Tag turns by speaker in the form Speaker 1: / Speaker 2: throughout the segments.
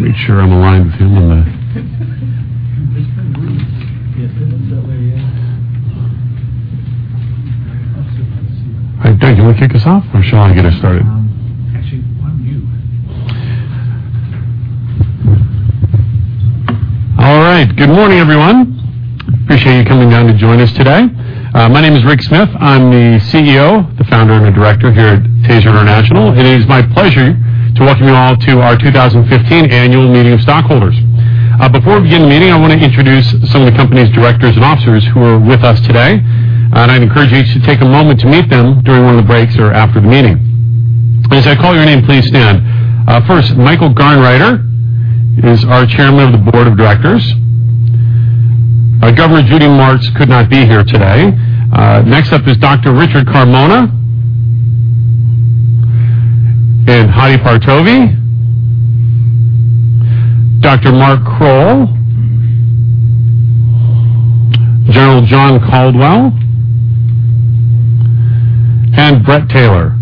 Speaker 1: I want to make sure I'm aligned with him on the. All right, thank you. Want to kick us off, or shall I get us started?
Speaker 2: Actually, why don't you?
Speaker 1: All right. Good morning, everyone. Appreciate you coming down to join us today. My name is Rick Smith. I'm the CEO, the founder, and the director here at TASER International. It is my pleasure to welcome you all to our 2015 Annual Meeting of Stockholders. Before we begin the meeting, I want to introduce some of the company's directors and officers who are with us today. I'd encourage each to take a moment to meet them during one of the breaks or after the meeting. As I call your name, please stand. First, Michael Garnreiter is our chairman of the board of directors. Governor Judy Martz could not be here today. Next up is Dr. Richard Carmona and Hadi Partovi, Dr. Mark Kroll, General John Caldwell, and Bret Taylor.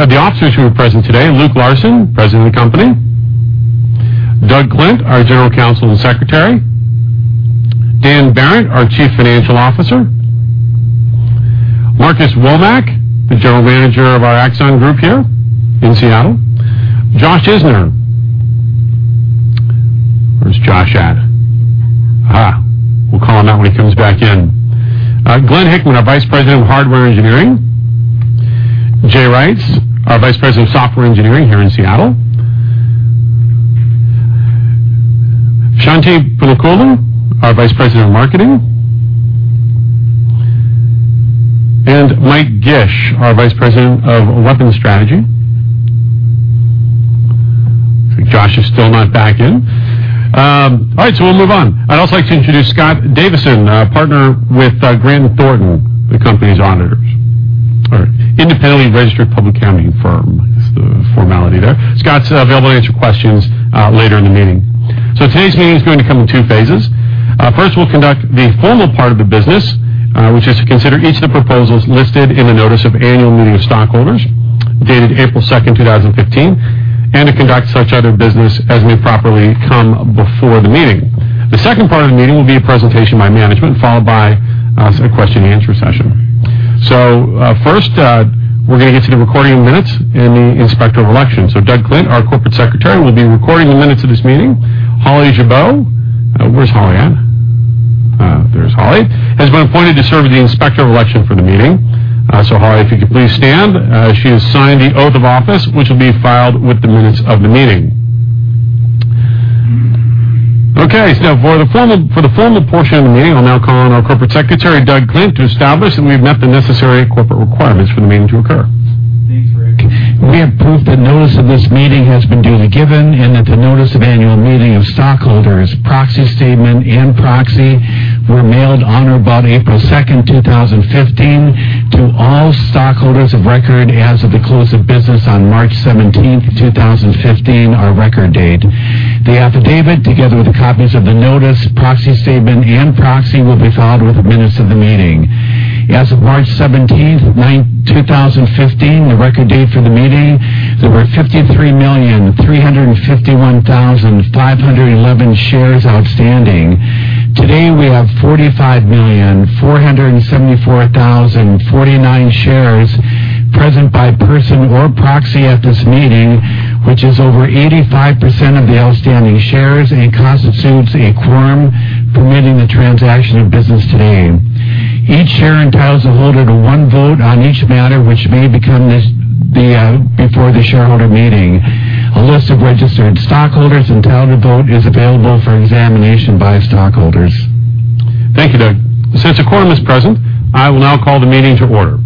Speaker 1: The officers who are present today: Luke Larson, President of the company, Doug Klint, our General Counsel and Secretary, Dan Behrendt, our Chief Financial Officer, Marcus Womack, the General Manager of our Axon Group here in Seattle, Josh Isner. Where's Josh at? We'll call him out when he comes back in. Glenn Hickman, our Vice President of Hardware Engineering, Jay Rice, our Vice President of Software Engineering here in Seattle, Shantanu Punukollu, our Vice President of Marketing, and Michael Gisch, our Vice President of Weapons Strategy. Josh is still not back in. All right. So we'll move on. I'd also like to introduce Scott Davison, a partner with Grant Thornton, the company's auditors. All right. Independently registered public accounting firm, that's the formality there. Scott's available to answer questions later in the meeting. So today's meeting is going to come in two phases. First, we'll conduct the formal part of the business, which is to consider each of the proposals listed in the notice of annual meeting of stockholders dated April 2nd, 2015, and to conduct such other business as may properly come before meeting. The second part of the meeting will be a presentation by management followed by a question-and-answer session. So first, we're going to get to the recording minutes and the inspector of election. So Doug Klint, our Corporate Secretary, will be recording the minutes of this meeting. Holly Jabo. Where's Holly at? There's Holly. She has been appointed to serve as the Inspector of Election for the meeting. So Holly, if you could please stand. She has signed the oath of office, which will be filed with the minutes of the meeting. Okay. So for the formal portion of the meeting, I'll now call on our Corporate Secretary, Doug Klint, to establish that we've met the necessary corporate requirements for the meeting to occur.
Speaker 3: Thanks, Rick. We have proved the notice of this meeting has been duly given and that the notice of annual meeting of stockholders, proxy statement, and proxy were mailed on or about April 2nd, 2015, to all stockholders of record as of the close of business on March 17th, 2015, our record date. The affidavit, together with copies of the notice, proxy statement, and proxy, will be filed with the minutes of the meeting. As of March 17th, 2015, the record date for the meeting, there were 53,351,511 shares outstanding. Today, we have 45,474,049 shares present by person or proxy at this meeting, which is over 85% of the outstanding shares and constitutes a quorum permitting the transaction of business today. Each share entitles a holder to one vote on each matter, which may come before the shareholder meeting. A list of registered stockholders entitled to vote is available for examination by stockholders.
Speaker 1: Thank you, Doug. Since the quorum is present, I will now call the meeting to order.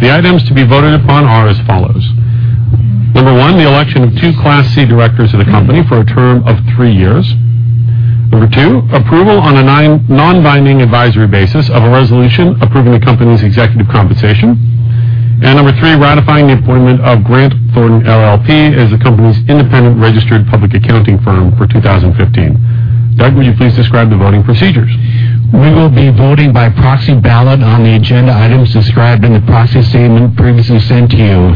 Speaker 1: The items to be voted upon are as follows. 1, the election of 2 Class C directors of the company for a term of 3 years. 2, approval on a non-binding advisory basis of a resolution approving the company's executive compensation. And 3, ratifying the appointment of Grant Thornton LLP as the company's independent registered public accounting firm for 2015. Doug, would you please describe the voting procedures?
Speaker 3: We will be voting by proxy ballot on the agenda items described in the proxy statement previously sent to you.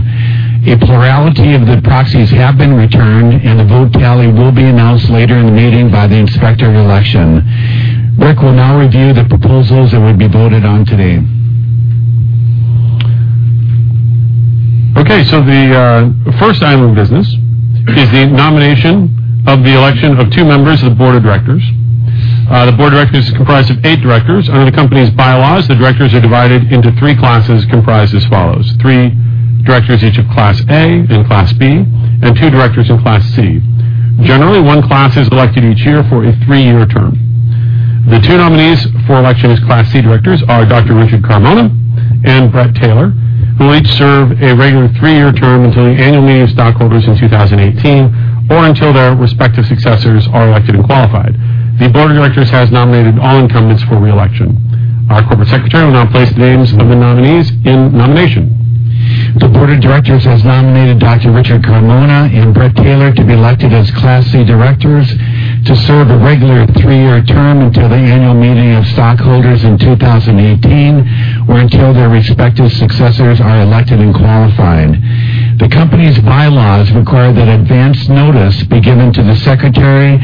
Speaker 3: A plurality of the proxies have been returned, and the vote tally will be announced later in the meeting by the inspector of election. Rick will now review the proposals that will be voted on today.
Speaker 1: Okay. So the first item of business is the nomination of the election of 2 members of the board of directors. The board of directors is comprised of 8 directors. Under the company's bylaws, the directors are divided into 3 classes comprised as follows: 3 directors each of Class A and Class B, and 2 directors in Class C. Generally, 1 class is elected each year for a 3-year term. The 2 nominees for election as Class C directors are Dr. Richard Carmona and Bret Taylor, who will each serve a regular 3-year term until the annual meeting of stockholders in 2018 or until their respective successors are elected and qualified. The board of directors has nominated all incumbents for reelection. Our corporate secretary will now place the names of the nominees in nomination.
Speaker 3: The board of directors has nominated Dr. Richard Carmona and Bret Taylor to be elected as Class C directors to serve a regular three-year term until the annual meeting of stockholders in 2018 or until their respective successors are elected and qualified. The company's bylaws require that advance notice be given to the secretary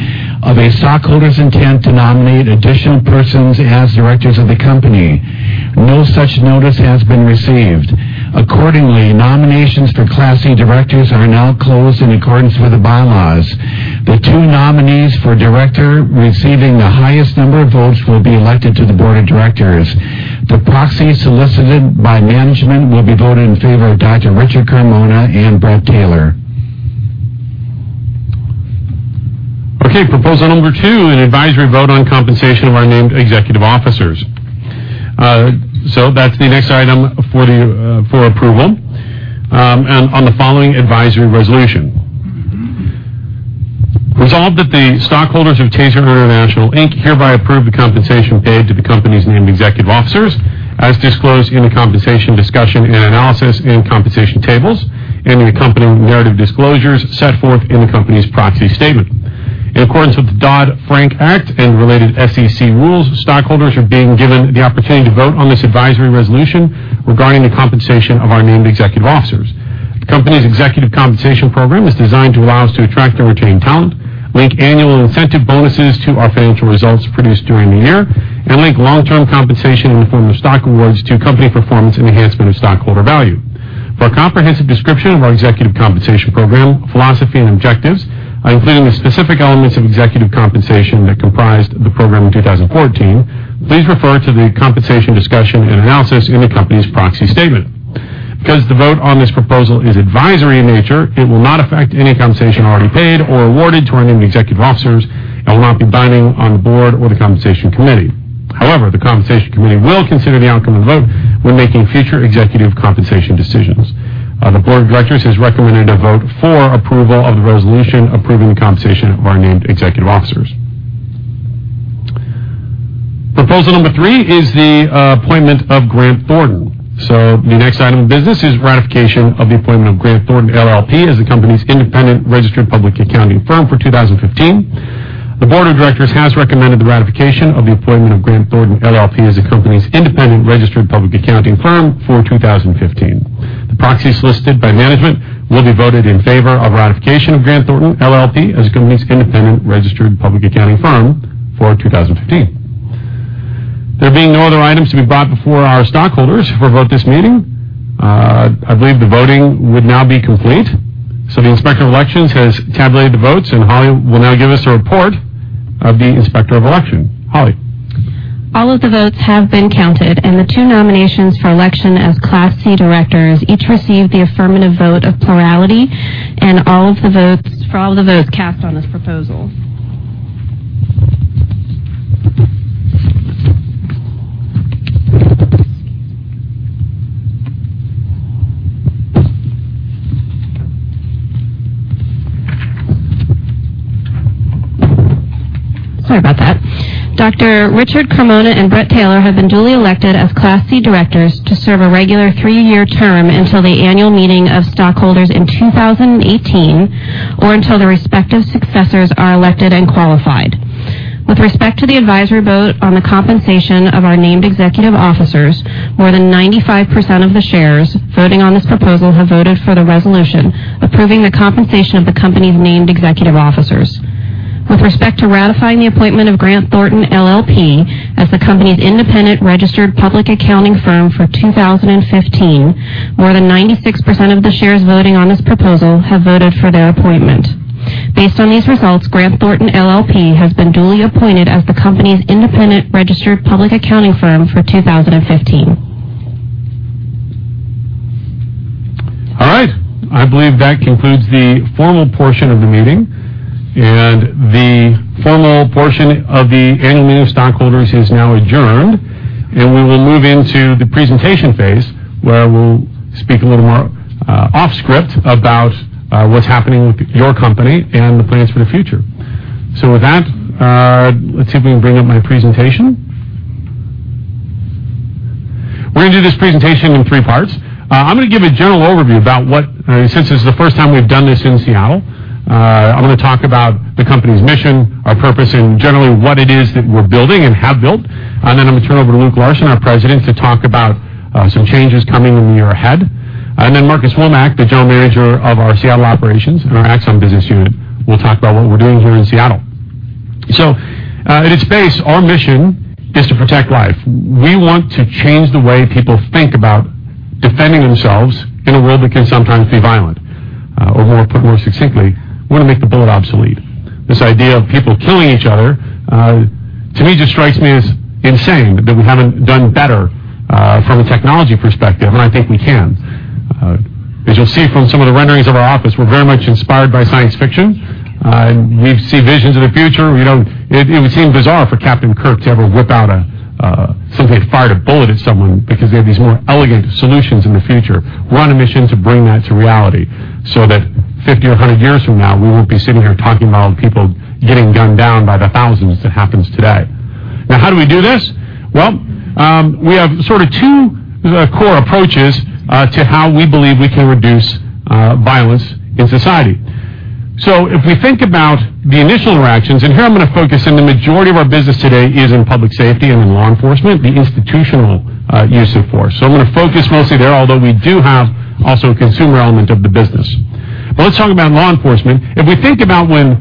Speaker 3: of a stockholder's intent to nominate additional persons as directors of the company. No such notice has been received. Accordingly, nominations for Class C directors are now closed in accordance with the bylaws. The two nominees for director receiving the highest number of votes will be elected to the board of directors. The proxy solicited by management will be voted in favor of Dr. Richard Carmona and Bret Taylor.
Speaker 1: Okay. Proposal number two, an advisory vote on compensation of our named executive officers. That's the next item for approval. On the following advisory resolution: Resolved that the stockholders of TASER International, Inc. hereby approve the compensation paid to the company's named executive officers as disclosed in the compensation discussion and analysis and compensation tables and in the accompanying narrative disclosures set forth in the company's proxy statement. In accordance with the Dodd-Frank Act and related SEC rules, stockholders are being given the opportunity to vote on this advisory resolution regarding the compensation of our named executive officers. The company's executive compensation program is designed to allow us to attract and retain talent, link annual incentive bonuses to our financial results produced during the year, and link long-term compensation in the form of stock awards to company performance and enhancement of stockholder value. For a comprehensive description of our executive compensation program, philosophy, and objectives, including the specific elements of executive compensation that comprised the program in 2014, please refer to the compensation discussion and analysis in the company's proxy statement. Because the vote on this proposal is advisory in nature, it will not affect any compensation already paid or awarded to our named executive officers and will not be binding on the board or the compensation committee. However, the compensation committee will consider the outcome of the vote when making future executive compensation decisions. The board of directors has recommended a vote for approval of the resolution approving the compensation of our named executive officers. Proposal 3 is the appointment of Grant Thornton. The next item of business is ratification of the appointment of Grant Thornton, LLP as the company's independent registered public accounting firm for 2015. The board of directors has recommended the ratification of the appointment of Grant Thornton LLP as the company's independent registered public accounting firm for 2015. The proxy solicited by management will be voted in favor of ratification of Grant Thornton LLP as the company's independent registered public accounting firm for 2015. There being no other items to be brought before our stockholders for vote this meeting, I believe the voting would now be complete. So the inspector of elections has tabulated the votes, and Holly will now give us a report of the inspector of election. Holly.
Speaker 4: All of the votes have been counted, and the two nominations for election as Class C directors each received the affirmative vote of a plurality of all of the votes cast on this proposal. Sorry about that. Dr. Richard Carmona and Bret Taylor have been duly elected as Class C directors to serve a regular three-year term until the annual meeting of stockholders in 2018 or until the respective successors are elected and qualified. With respect to the advisory vote on the compensation of our named executive officers, more than 95% of the shares voting on this proposal have voted for the resolution approving the compensation of the company's named executive officers. With respect to ratifying the appointment of Grant Thornton LLP as the company's independent registered public accounting firm for 2015, more than 96% of the shares voting on this proposal have voted for their appointment. Based on these results, Grant Thornton LLP has been duly appointed as the company's independent registered public accounting firm for 2015.
Speaker 1: All right. I believe that concludes the formal portion of the meeting. The formal portion of the annual meeting of stockholders is now adjourned. We will move into the presentation phase where we'll speak a little more off-script about what's happening with your company and the plans for the future. So with that, let's see if we can bring up my presentation. We're going to do this presentation in three parts. I'm going to give a general overview about what, since this is the first time we've done this in Seattle. I'm going to talk about the company's mission, our purpose, and generally what it is that we're building and have built. Then I'm going to turn over to Luke Larson, our President, to talk about some changes coming in the year ahead. Then Marcus Womack, the general manager of our Seattle operations and our Axon business unit, will talk about what we're doing here in Seattle. At its base, our mission is to protect life. We want to change the way people think about defending themselves in a world that can sometimes be violent. Or more succinctly, we want to make the bullet obsolete. This idea of people killing each other, to me, just strikes me as insane that we haven't done better from a technology perspective. I think we can. As you'll see from some of the renderings of our office, we're very much inspired by science fiction. We see visions of the future. It would seem bizarre for Captain Kirk to ever whip out and simply fire a bullet at someone because they have these more elegant solutions in the future. We're on a mission to bring that to reality so that 50 or 100 years from now, we won't be sitting here talking about people getting gunned down by the thousands that happens today. Now, how do we do this? Well, we have sort of two core approaches to how we believe we can reduce violence in society. So if we think about the initial interactions, and here I'm going to focus, and the majority of our business today is in public safety and in law enforcement, the institutional use of force. So I'm going to focus mostly there, although we do have also a consumer element of the business. But let's talk about law enforcement. If we think about when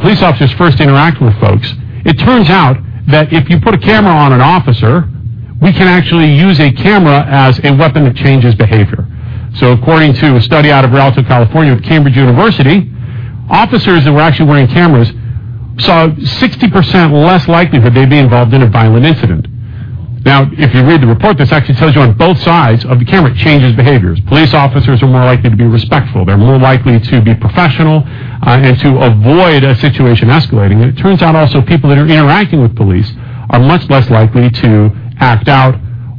Speaker 1: police officers first interact with folks, it turns out that if you put a camera on an officer, we can actually use a camera as a weapon that changes behavior. So according to a study out of Rialto, California at Cambridge University, officers that were actually wearing cameras saw 60% less likelihood they'd be involved in a violent incident. Now, if you read the report, this actually tells you on both sides of the camera, it changes behaviors. Police officers are more likely to be respectful. They're more likely to be professional and to avoid a situation escalating. And it turns out also people that are interacting with police are much less likely to act out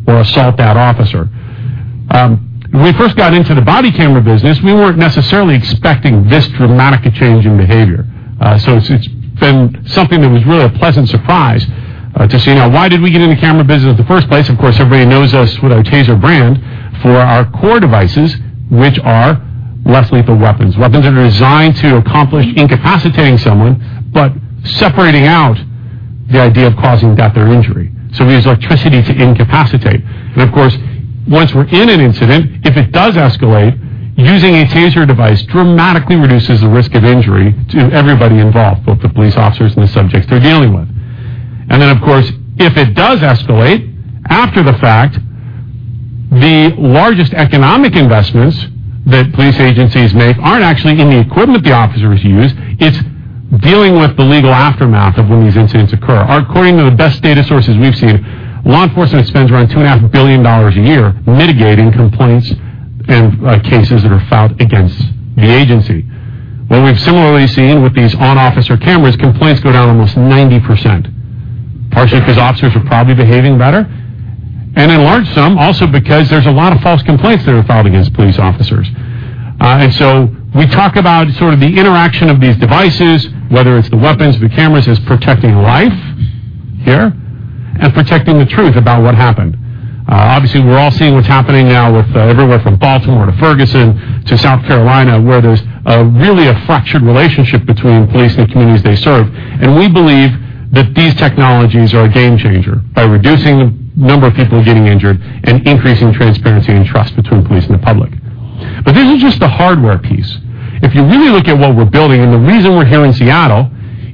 Speaker 1: or assault that officer. When we first got into the body camera business, we weren't necessarily expecting this dramatic change in behavior. So it's been something that was really a pleasant surprise to see. Now, why did we get into camera business in the first place? Of course, everybody knows us with our TASER brand for our core devices, which are less lethal weapons. Weapons that are designed to accomplish incapacitating someone but separating out the idea of causing death or injury. So we use electricity to incapacitate. And of course, once we're in an incident, if it does escalate, using a TASER device dramatically reduces the risk of injury to everybody involved, both the police officers and the subjects they're dealing with. And then of course, if it does escalate after the fact, the largest economic investments that police agencies make aren't actually in the equipment the officers use. It's dealing with the legal aftermath of when these incidents occur. According to the best data sources we've seen, law enforcement spends around $2.5 billion a year mitigating complaints and cases that are filed against the agency. What we've similarly seen with these on-officer cameras, complaints go down almost 90%, partially because officers are probably behaving better. In large sum also because there's a lot of false complaints that are filed against police officers. So we talk about sort of the interaction of these devices, whether it's the weapons, the cameras as protecting life here and protecting the truth about what happened. Obviously, we're all seeing what's happening now with everywhere from Baltimore to Ferguson to South Carolina where there's really a fractured relationship between police and the communities they serve. We believe that these technologies are a game changer by reducing the number of people getting injured and increasing transparency and trust between police and the public. But this is just the hardware piece. If you really look at what we're building and the reason we're here in Seattle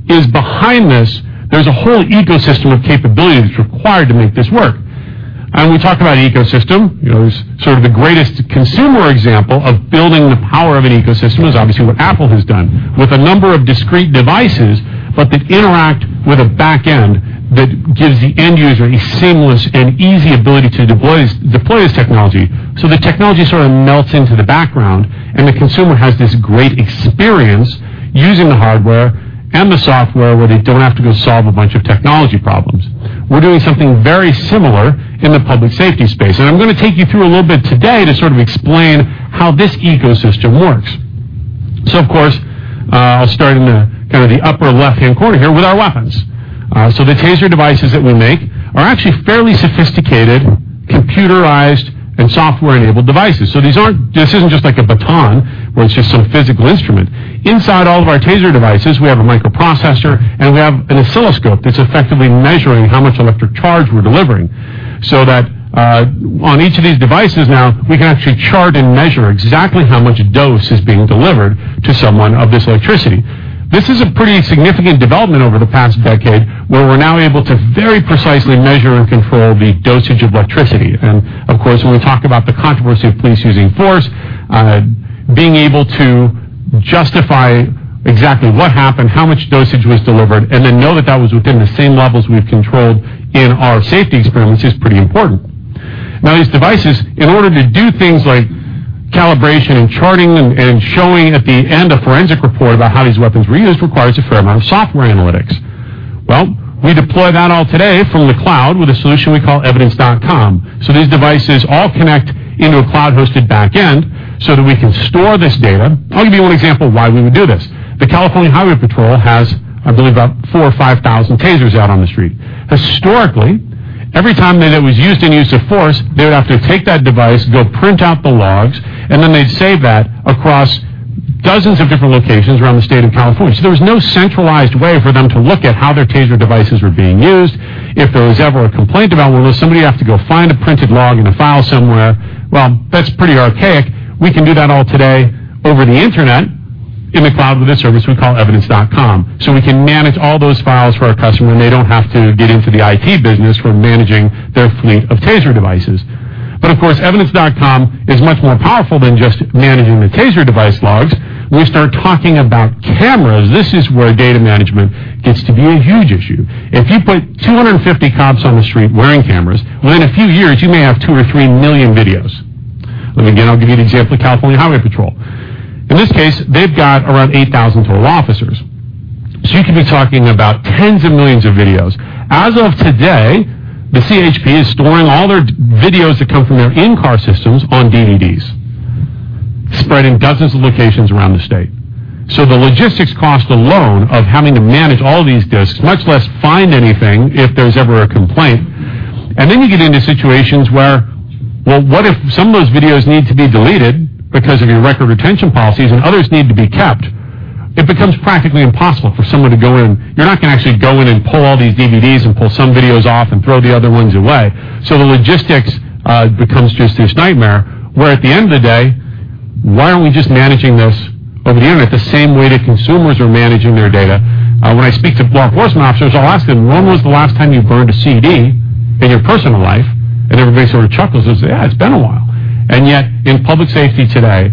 Speaker 1: is behind this, there's a whole ecosystem of capabilities required to make this work. We talk about ecosystem. Sort of the greatest consumer example of building the power of an ecosystem is obviously what Apple has done with a number of discrete devices but that interact with a backend that gives the end user a seamless and easy ability to deploy this technology. So the technology sort of melts into the background and the consumer has this great experience using the hardware and the software where they don't have to go solve a bunch of technology problems. We're doing something very similar in the public safety space. I'm going to take you through a little bit today to sort of explain how this ecosystem works. So of course, I'll start in the kind of the upper left-hand corner here with our weapons. So the TASER devices that we make are actually fairly sophisticated computerized and software-enabled devices. So this isn't just like a baton where it's just some physical instrument. Inside all of our TASER devices, we have a microprocessor and we have an oscilloscope that's effectively measuring how much electric charge we're delivering. So that on each of these devices now, we can actually chart and measure exactly how much dose is being delivered to someone of this electricity. This is a pretty significant development over the past decade where we're now able to very precisely measure and control the dosage of electricity. And of course, when we talk about the controversy of police using force, being able to justify exactly what happened, how much dosage was delivered, and then know that that was within the same levels we've controlled in our safety experiments is pretty important. Now, these devices, in order to do things like calibration and charting and showing at the end a forensic report about how these weapons were used, requires a fair amount of software analytics. Well, we deploy that all today from the cloud with a solution we call Evidence.com. So these devices all connect into a cloud-hosted backend so that we can store this data. I'll give you one example of why we would do this. The California Highway Patrol has, I believe, about 4,000 or 5,000 TASERs out on the street. Historically, every time that it was used in use of force, they would have to take that device, go print out the logs, and then they'd save that across dozens of different locations around the state of California. So there was no centralized way for them to look at how their TASER devices were being used. If there was ever a complaint about one of those, somebody would have to go find a printed log in a file somewhere. Well, that's pretty archaic. We can do that all today over the internet in the cloud with a service we call Evidence.com. So we can manage all those files for our customer, and they don't have to get into the IT business for managing their fleet of TASER devices. But of course, Evidence.com is much more powerful than just managing the TASER device logs. When we start talking about cameras, this is where data management gets to be a huge issue. If you put 250 cops on the street wearing cameras, within a few years, you may have 2 or 3 million videos. And again, I'll give you an example of California Highway Patrol. In this case, they've got around 8,000 total officers. So you could be talking about tens of millions of videos. As of today, the CHP is storing all their videos that come from their in-car systems on DVDs, spread in dozens of locations around the state. So the logistics cost alone of having to manage all these discs, much less find anything if there's ever a complaint. And then you get into situations where, well, what if some of those videos need to be deleted because of your record retention policies and others need to be kept? It becomes practically impossible for someone to go in. You're not going to actually go in and pull all these DVDs and pull some videos off and throw the other ones away. So the logistics becomes just this nightmare where at the end of the day, why aren't we just managing this over the internet the same way that consumers are managing their data? When I speak to law enforcement officers, I'll ask them, "When was the last time you burned a CD in your personal life?" And everybody sort of chuckles and says, "Yeah, it's been a while." And yet in public safety today,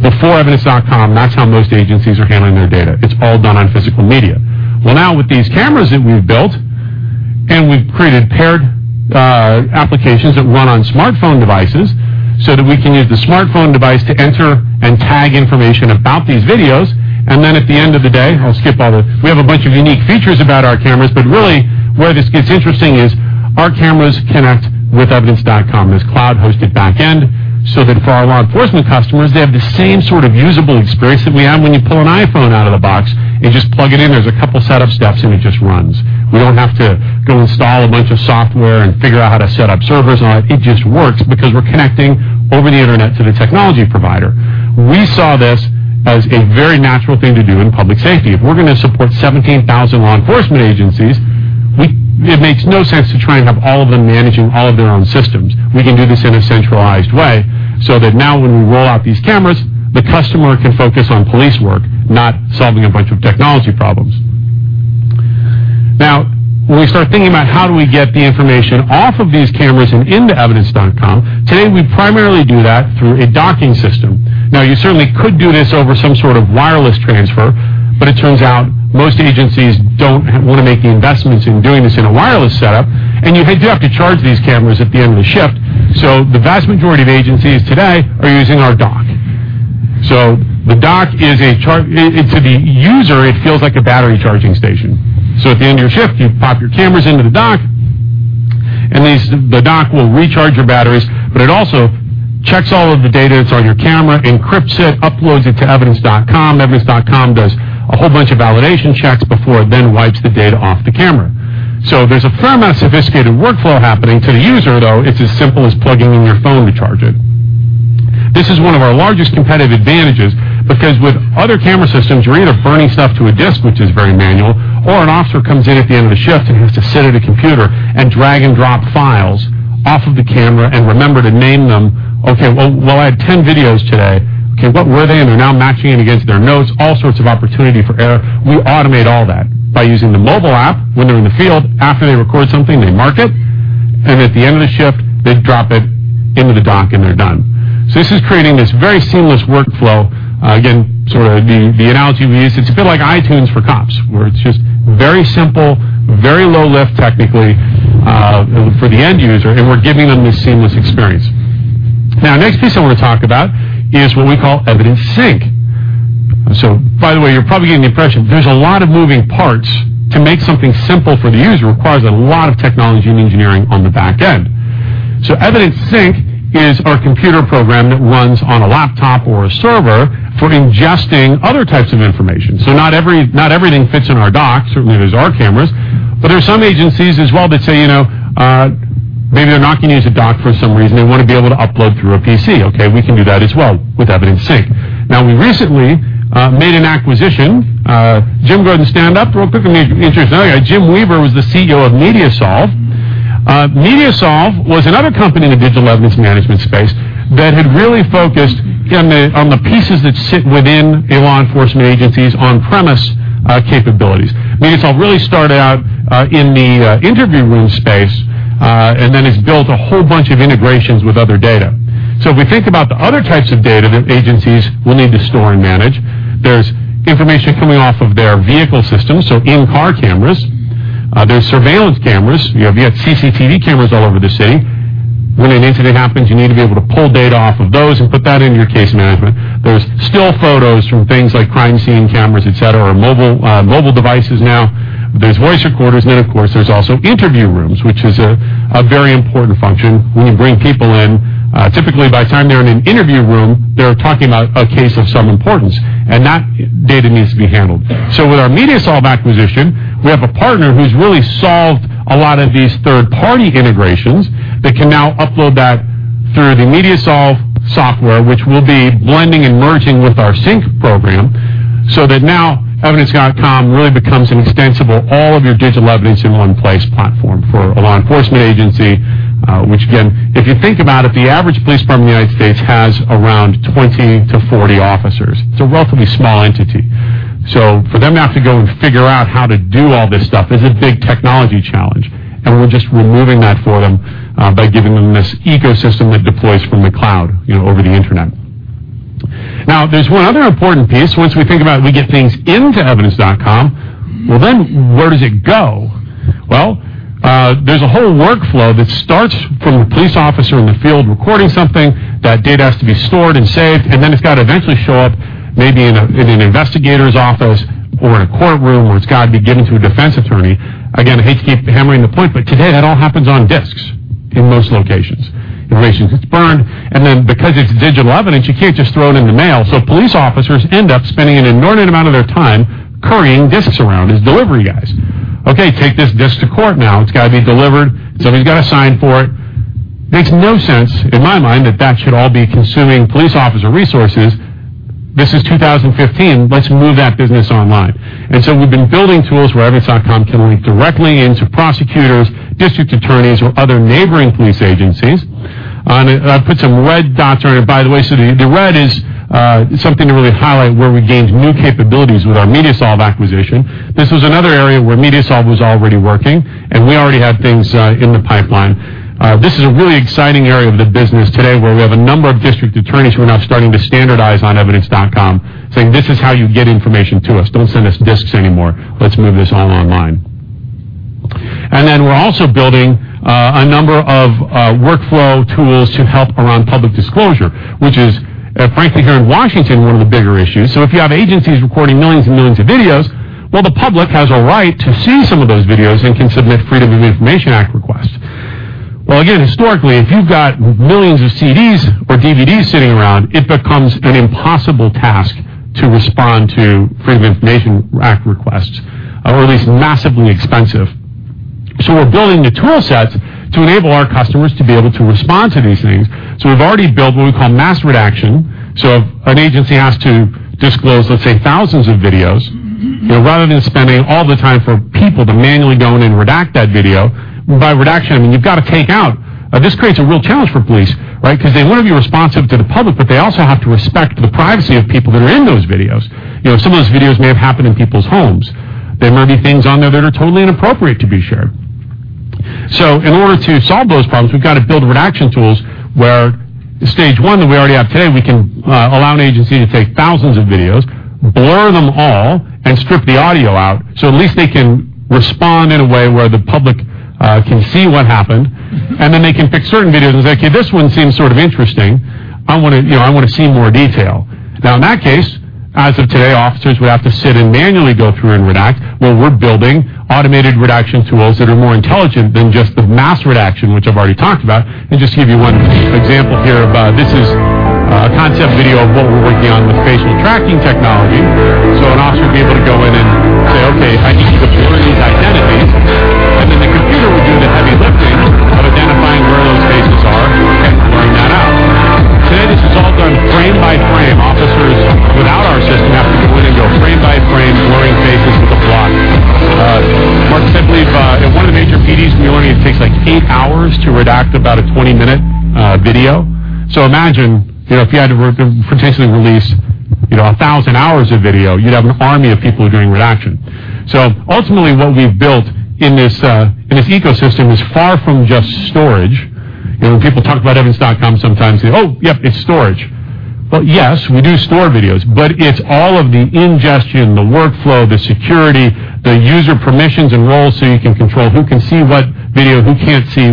Speaker 1: before Evidence.com, that's how most agencies are handling their data. It's all done on physical media. Well, now with these cameras that we've built and we've created paired applications that run on smartphone devices so that we can use the smartphone device to enter and tag information about these videos. And then at the end of the day, I'll skip all the we have a bunch of unique features about our cameras. But really, where this gets interesting is our cameras connect with Evidence.com as cloud-hosted backend so that for our law enforcement customers, they have the same sort of usable experience that we have when you pull an iPhone out of the box and just plug it in. There's a couple setup steps, and it just runs. We don't have to go install a bunch of software and figure out how to set up servers and all that. It just works because we're connecting over the internet to the technology provider. We saw this as a very natural thing to do in public safety. If we're going to support 17,000 law enforcement agencies, it makes no sense to try and have all of them managing all of their own systems. We can do this in a centralized way so that now when we roll out these cameras, the customer can focus on police work, not solving a bunch of technology problems. Now, when we start thinking about how do we get the information off of these cameras and into Evidence.com, today we primarily do that through a docking system. Now, you certainly could do this over some sort of wireless transfer, but it turns out most agencies don't want to make the investments in doing this in a wireless setup. And you do have to charge these cameras at the end of the shift. So the vast majority of agencies today are using our dock. So the dock is a charger to the user. It feels like a battery charging station. So at the end of your shift, you pop your cameras into the dock, and the dock will recharge your batteries. But it also checks all of the data that's on your camera, encrypts it, uploads it to Evidence.com. Evidence.com does a whole bunch of validation checks before it then wipes the data off the camera. So there's a fair amount of sophisticated workflow happening. To the user, though, it's as simple as plugging in your phone to charge it. This is one of our largest competitive advantages because with other camera systems, you're either burning stuff to a disc, which is very manual, or an officer comes in at the end of the shift and has to sit at a computer and drag and drop files off of the camera and remember to name them. Okay, well, I had 10 videos today. Okay, what were they? They're now matching it against their notes. All sorts of opportunity for error. We automate all that by using the mobile app when they're in the field. After they record something, they mark it. And at the end of the shift, they drop it into the dock and they're done. So this is creating this very seamless workflow. Again, sort of the analogy we use, it's a bit like iTunes for cops where it's just very simple, very low-lift technically for the end user, and we're giving them this seamless experience. Now, the next piece I want to talk about is what we call Evidence Sync. So by the way, you're probably getting the impression there's a lot of moving parts. To make something simple for the user requires a lot of technology and engineering on the backend. So Evidence Sync is our computer program that runs on a laptop or a server for ingesting other types of information. So not everything fits in our dock. Certainly, there's our cameras. But there are some agencies as well that say maybe they're not going to use a dock for some reason. They want to be able to upload through a PC. Okay, we can do that as well with Evidence Sync. Now, we recently made an acquisition. Jim, go ahead and stand up real quick. It'll be interesting. Jim Weaver was the CEO of MediaSolv. MediaSolv was another company in the digital evidence management space that had really focused on the pieces that sit within law enforcement agencies' on-premise capabilities. MediaSolv really started out in the interview room space and then has built a whole bunch of integrations with other data. So if we think about the other types of data that agencies will need to store and manage, there's information coming off of their vehicle systems, so in-car cameras. There's surveillance cameras. You have CCTV cameras all over the city. When an incident happens, you need to be able to pull data off of those and put that into your case management. There's still photos from things like crime scene cameras, etc., or mobile devices now. There's voice recorders. And then, of course, there's also interview rooms, which is a very important function. When you bring people in, typically by the time they're in an interview room, they're talking about a case of some importance, and that data needs to be handled. So with our MediaSolv acquisition, we have a partner who's really solved a lot of these third-party integrations that can now upload that through the MediaSolv software, which will be blending and merging with our sync program so that now Evidence.com really becomes an extensible all-of-your-digital-evidence-in-one-place platform for a law enforcement agency, which, again, if you think about it, the average police department in the United States has around 20-40 officers. It's a relatively small entity. So for them to have to go and figure out how to do all this stuff is a big technology challenge. And we're just removing that for them by giving them this ecosystem that deploys from the cloud over the internet. Now, there's one other important piece. Once we think about we get things into Evidence.com, well, then where does it go? Well, there's a whole workflow that starts from the police officer in the field recording something. That data has to be stored and saved, and then it's got to eventually show up maybe in an investigator's office or in a courtroom where it's got to be given to a defense attorney. Again, I hate to keep hammering the point, but today that all happens on discs in most locations. Information gets burned. And then because it's digital evidence, you can't just throw it in the mail. So police officers end up spending an inordinate amount of their time carrying discs around as delivery guys. Okay, take this disc to court now. It's got to be delivered. Somebody's got to sign for it. Makes no sense, in my mind, that that should all be consuming police officer resources. This is 2015. Let's move that business online. We've been building tools where Evidence.com can link directly into prosecutors, district attorneys, or other neighboring police agencies. I've put some red dots around it, by the way. So the red is something to really highlight where we gained new capabilities with our MediaSolv acquisition. This was another area where MediaSolv was already working, and we already have things in the pipeline. This is a really exciting area of the business today where we have a number of district attorneys who are now starting to standardize on Evidence.com, saying, "This is how you get information to us. Don't send us discs anymore. Let's move this all online." And then we're also building a number of workflow tools to help around public disclosure, which is, frankly, here in Washington, one of the bigger issues. So if you have agencies recording millions and millions of videos, well, the public has a right to see some of those videos and can submit Freedom of Information Act requests. Well, again, historically, if you've got millions of CDs or DVDs sitting around, it becomes an impossible task to respond to Freedom of Information Act requests, or at least massively expensive. So we're building the tool sets to enable our customers to be able to respond to these things. So we've already built what we call mass redaction. So if an agency has to disclose, let's say, thousands of videos, rather than spending all the time for people to manually go in and redact that video, by redaction, I mean, you've got to take out. This creates a real challenge for police, right? Because they want to be responsive to the public, but they also have to respect the privacy of people that are in those videos. Some of those videos may have happened in people's homes. There may be things on there that are totally inappropriate to be shared. So in order to solve those problems, we've got to build redaction tools where stage one, that we already have today, we can allow an agency to take thousands of videos, blur them all, and strip the audio out so at least they can respond in a way where the public can see what happened. And then they can pick certain videos and say, "Okay, this one seems sort of interesting. I want to see more detail." Now, in that case, as of today, officers would have to sit and manually go through and redact. Well, we're building automated redaction tools that are more intelligent than just the mass redaction, which I've already talked about. Just to give you one example here, this is a concept video of what we're working on with facial tracking technology. So an officer would be able to go in and say, "Okay, I need to blur these identities." And then the computer would do the heavy lifting of identifying where those faces are and blurring that out. Today, this is all done frame by frame. Officers without our system have to go in and go frame by frame, blurring faces with a block. Mark said one of the major PDs from the Army takes like eight hours to redact about a 20-minute video. So imagine if you had to potentially release 1,000 hours of video, you'd have an army of people doing redaction. So ultimately, what we've built in this ecosystem is far from just storage. When people talk about Evidence.com sometimes, "Oh, yep, it's storage." Well, yes, we do store videos, but it's all of the ingestion, the workflow, the security, the user permissions and roles so you can control who can see what video, who can't see,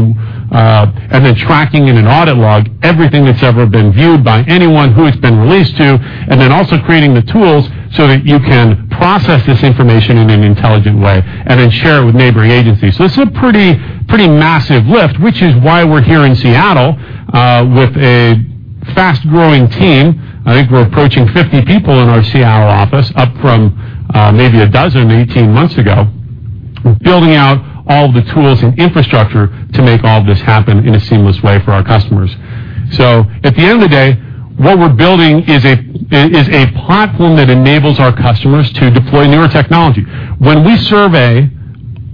Speaker 1: and then tracking in an audit log everything that's ever been viewed by anyone who it's been released to, and then also creating the tools so that you can process this information in an intelligent way and then share it with neighboring agencies. So this is a pretty massive lift, which is why we're here in Seattle with a fast-growing team. I think we're approaching 50 people in our Seattle office up from maybe 10, 18 months ago, building out all of the tools and infrastructure to make all of this happen in a seamless way for our customers. So at the end of the day, what we're building is a platform that enables our customers to deploy newer technology. When we survey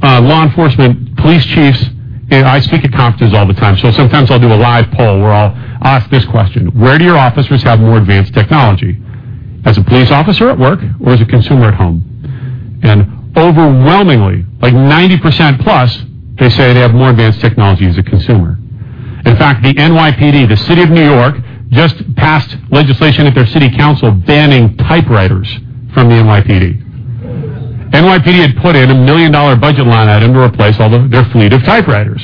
Speaker 1: law enforcement, police chiefs, I speak at conferences all the time. So sometimes I'll do a live poll where I'll ask this question, "Where do your officers have more advanced technology? As a police officer at work or as a consumer at home?" And overwhelmingly, like 90%+, they say they have more advanced technology as a consumer. In fact, the NYPD, the city of New York, just passed legislation at their city council banning typewriters from the NYPD. NYPD had put in a $1 million budget line item to replace all of their fleet of typewriters.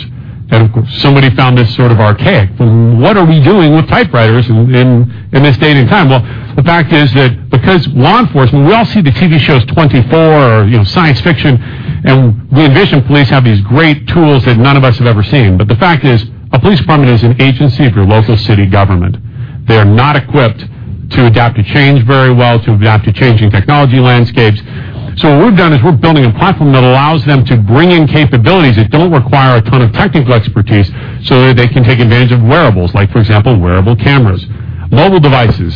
Speaker 1: Of course, somebody found this sort of archaic. What are we doing with typewriters in this date and time? Well, the fact is that because law enforcement, we all see the TV shows 24 or science fiction, and we envision police have these great tools that none of us have ever seen. But the fact is, a police department is an agency of your local city government. They are not equipped to adapt to change very well, to adapt to changing technology landscapes. So what we've done is we're building a platform that allows them to bring in capabilities that don't require a ton of technical expertise so that they can take advantage of wearables, like for example, wearable cameras, mobile devices.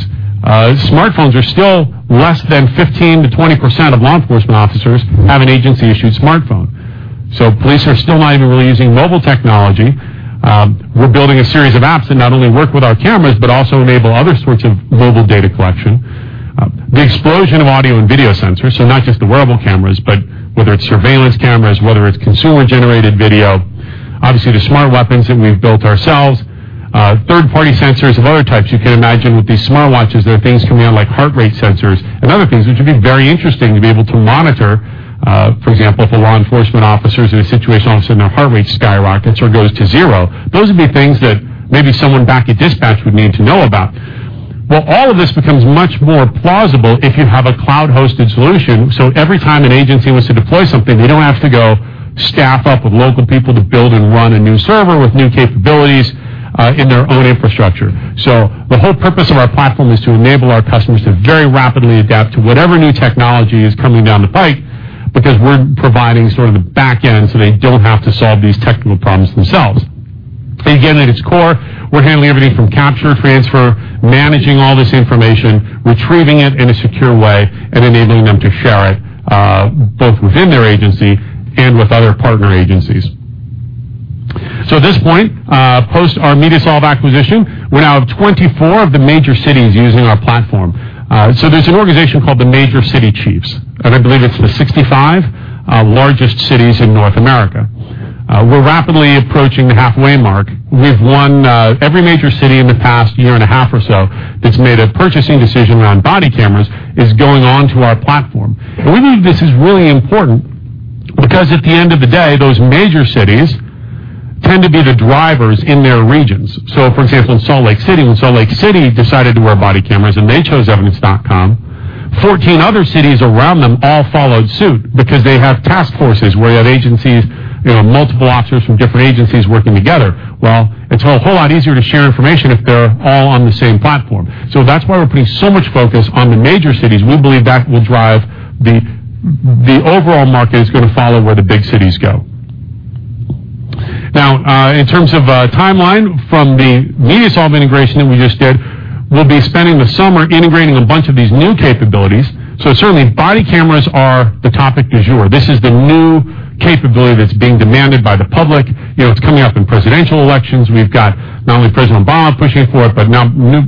Speaker 1: Smartphones are still less than 15%-20% of law enforcement officers have an agency-issued smartphone. So police are still not even really using mobile technology. We're building a series of apps that not only work with our cameras but also enable other sorts of mobile data collection. The explosion of audio and video sensors, so not just the wearable cameras, but whether it's surveillance cameras, whether it's consumer-generated video, obviously the smart weapons that we've built ourselves, third-party sensors of other types. You can imagine with these smartwatches, there are things coming out like heart rate sensors and other things which would be very interesting to be able to monitor. For example, if a law enforcement officer's in a situation where their heart rate skyrockets or goes to zero, those would be things that maybe someone back at dispatch would need to know about. Well, all of this becomes much more plausible if you have a cloud-hosted solution. So every time an agency wants to deploy something, they don't have to go staff up with local people to build and run a new server with new capabilities in their own infrastructure. So the whole purpose of our platform is to enable our customers to very rapidly adapt to whatever new technology is coming down the pipe because we're providing sort of the backend so they don't have to solve these technical problems themselves. Again, at its core, we're handling everything from capture, transfer, managing all this information, retrieving it in a secure way, and enabling them to share it both within their agency and with other partner agencies. So at this point, post our MediaSolv acquisition, we're now at 24 of the major cities using our platform. So there's an organization called the Major Cities Chiefs, and I believe it's the 65 largest cities in North America. We're rapidly approaching the halfway mark. Every major city in the past year and a half or so that's made a purchasing decision around body cameras is going on to our platform. We believe this is really important because at the end of the day, those major cities tend to be the drivers in their regions. For example, in Salt Lake City, when Salt Lake City decided to wear body cameras and they chose Evidence.com, 14 other cities around them all followed suit because they have task forces where you have agencies, multiple officers from different agencies working together. Well, it's a whole lot easier to share information if they're all on the same platform. That's why we're putting so much focus on the major cities. We believe that will drive the overall market is going to follow where the big cities go. Now, in terms of timeline, from the MediaSolv integration that we just did, we'll be spending the summer integrating a bunch of these new capabilities. So certainly, body cameras are the topic du jour. This is the new capability that's being demanded by the public. It's coming up in presidential elections. We've got not only President Obama pushing for it, but now new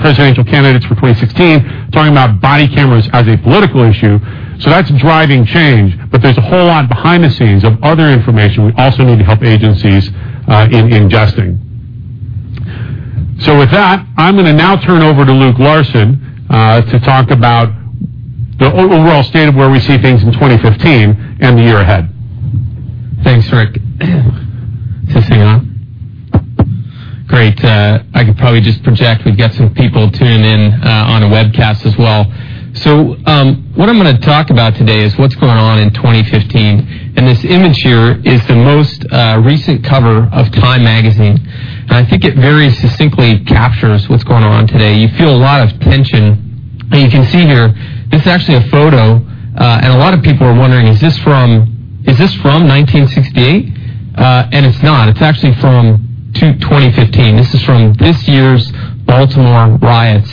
Speaker 1: presidential candidates for 2016 talking about body cameras as a political issue. So that's driving change, but there's a whole lot behind the scenes of other information we also need to help agencies in ingesting. So with that, I'm going to now turn over to Luke Larson to talk about the overall state of where we see things in 2015 and the year ahead.
Speaker 2: Thanks, Rick. This is hanging on. Great. I could probably just project we've got some people tuning in on a webcast as well. What I'm going to talk about today is what's going on in 2015. This image here is the most recent cover of Time magazine. I think it very succinctly captures what's going on today. You feel a lot of tension. You can see here, this is actually a photo. A lot of people are wondering, "Is this from 1968?" It's not. It's actually from 2015. This is from this year's Baltimore riots.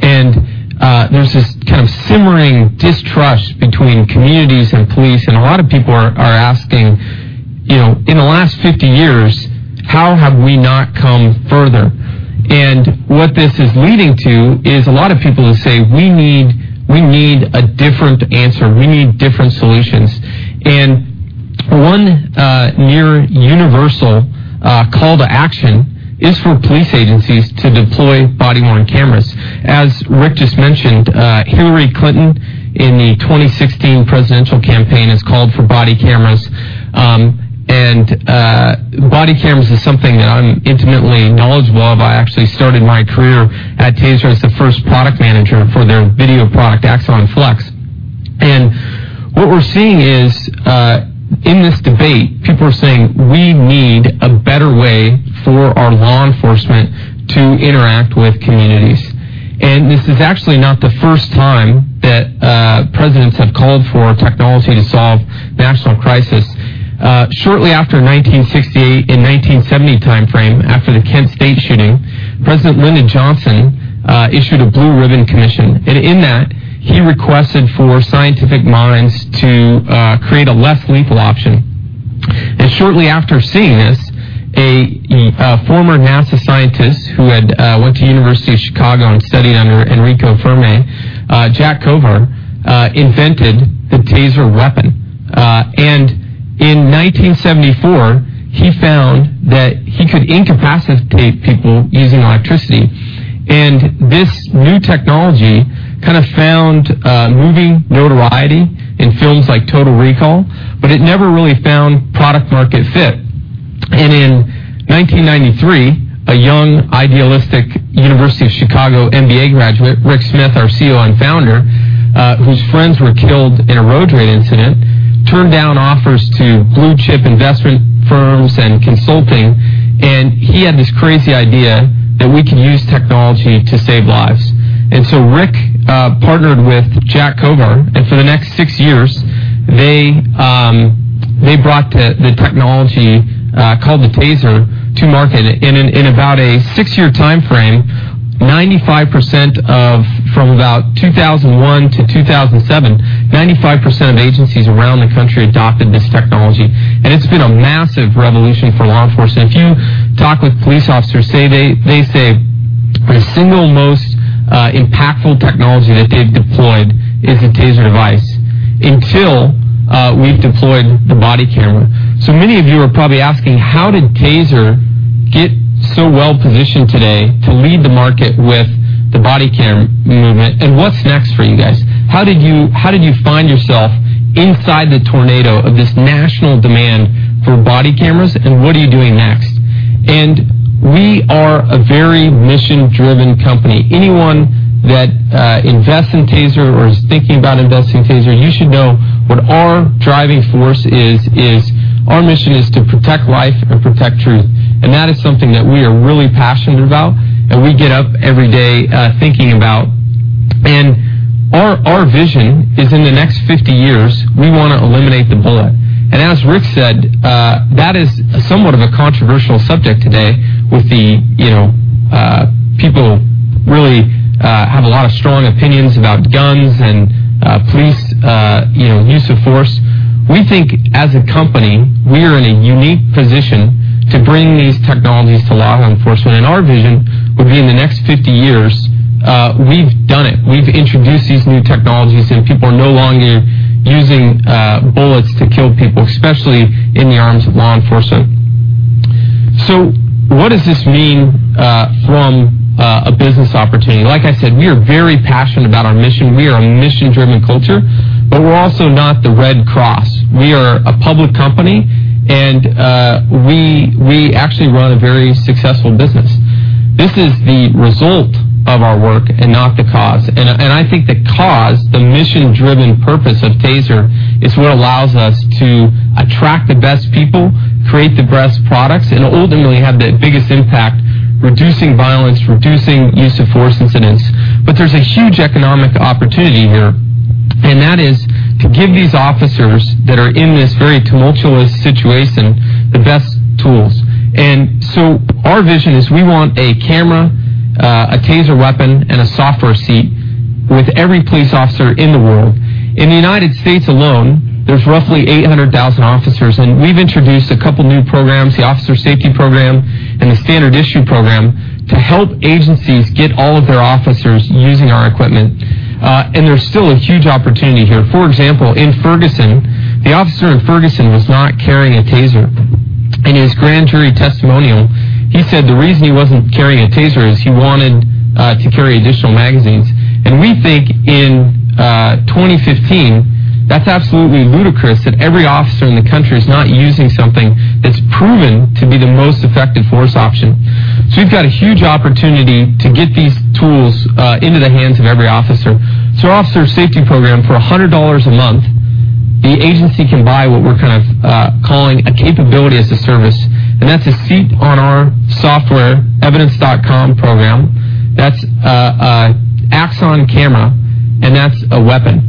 Speaker 2: There's this kind of simmering distrust between communities and police. A lot of people are asking, "In the last 50 years, how have we not come further?" What this is leading to is a lot of people who say, "We need a different answer. We need different solutions." One near-universal call to action is for police agencies to deploy body-worn cameras. As Rick just mentioned, Hillary Clinton in the 2016 presidential campaign has called for body cameras. Body cameras is something that I'm intimately knowledgeable of. I actually started my career at TASER as the first product manager for their video product, Axon Flex. What we're seeing is in this debate, people are saying, "We need a better way for our law enforcement to interact with communities." This is actually not the first time that presidents have called for technology to solve national crisis. Shortly after 1968, in 1970 timeframe, after the Kent State shooting, President Lyndon Johnson issued a Blue Ribbon Commission. In that, he requested for scientific minds to create a less lethal option. Shortly after seeing this, a former NASA scientist who had went to the University of Chicago and studied under Enrico Fermi, Jack Cover, invented the TASER weapon. In 1974, he found that he could incapacitate people using electricity. This new technology kind of found moving notoriety in films like Total Recall, but it never really found product-market fit. In 1993, a young, idealistic University of Chicago MBA graduate, Rick Smith, our CEO and founder, whose friends were killed in a road rage incident, turned down offers to blue-chip investment firms and consulting. He had this crazy idea that we could use technology to save lives. Rick partnered with Jack Cover. For the next six years, they brought the technology called the TASER to market. In about a six-year timeframe, 95% of, from about 2001 to 2007, 95% of agencies around the country adopted this technology. And it's been a massive revolution for law enforcement. If you talk with police officers, they say the single most impactful technology that they've deployed is the TASER device until we've deployed the body camera. So many of you are probably asking, "How did TASER get so well-positioned today to lead the market with the body cam movement? And what's next for you guys? How did you find yourself inside the tornado of this national demand for body cameras? And what are you doing next?" And we are a very mission-driven company. Anyone that invests in TASER or is thinking about investing in TASER, you should know what our driving force is. Our mission is to protect life and protect truth. And that is something that we are really passionate about. And we get up every day thinking about. And our vision is in the next 50 years, we want to eliminate the bullet. And as Rick said, that is somewhat of a controversial subject today with the people really have a lot of strong opinions about guns and police use of force. We think as a company, we are in a unique position to bring these technologies to law enforcement. And our vision would be in the next 50 years, we've done it. We've introduced these new technologies, and people are no longer using bullets to kill people, especially in the arms of law enforcement. So what does this mean from a business opportunity? Like I said, we are very passionate about our mission. We are a mission-driven culture, but we're also not the Red Cross. We are a public company, and we actually run a very successful business. This is the result of our work and not the cause. And I think the cause, the mission-driven purpose of TASER, is what allows us to attract the best people, create the best products, and ultimately have the biggest impact, reducing violence, reducing use of force incidents. But there's a huge economic opportunity here, and that is to give these officers that are in this very tumultuous situation the best tools. And so our vision is we want a camera, a TASER weapon, and a software seat with every police officer in the world. In the United States alone, there's roughly 800,000 officers. And we've introduced a couple of new programs, the Officer Safety Program and the Standard Issue Program, to help agencies get all of their officers using our equipment. There's still a huge opportunity here. For example, in Ferguson, the officer in Ferguson was not carrying a TASER. In his grand jury testimonial, he said the reason he wasn't carrying a TASER is he wanted to carry additional magazines. We think in 2015, that's absolutely ludicrous that every officer in the country is not using something that's proven to be the most effective force option. We've got a huge opportunity to get these tools into the hands of every officer. Officer Safety Program, for $100 a month, the agency can buy what we're kind of calling a capability as a service. That's a seat on our software, Evidence.com program. That's Axon Camera, and that's a weapon.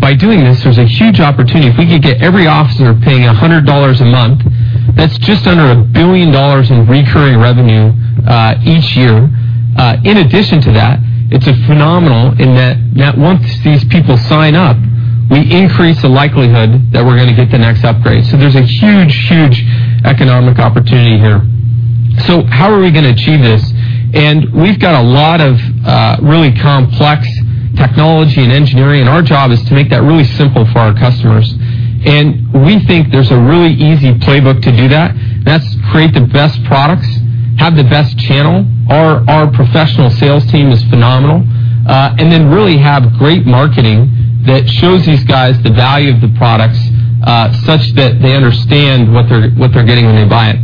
Speaker 2: By doing this, there's a huge opportunity. If we could get every officer paying $100 a month, that's just under $1 billion in recurring revenue each year. In addition to that, it's phenomenal in that once these people sign up, we increase the likelihood that we're going to get the next upgrade. So there's a huge, huge economic opportunity here. So how are we going to achieve this? And we've got a lot of really complex technology and engineering, and our job is to make that really simple for our customers. And we think there's a really easy playbook to do that. That's create the best products, have the best channel. Our professional sales team is phenomenal. And then really have great marketing that shows these guys the value of the products such that they understand what they're getting when they buy it.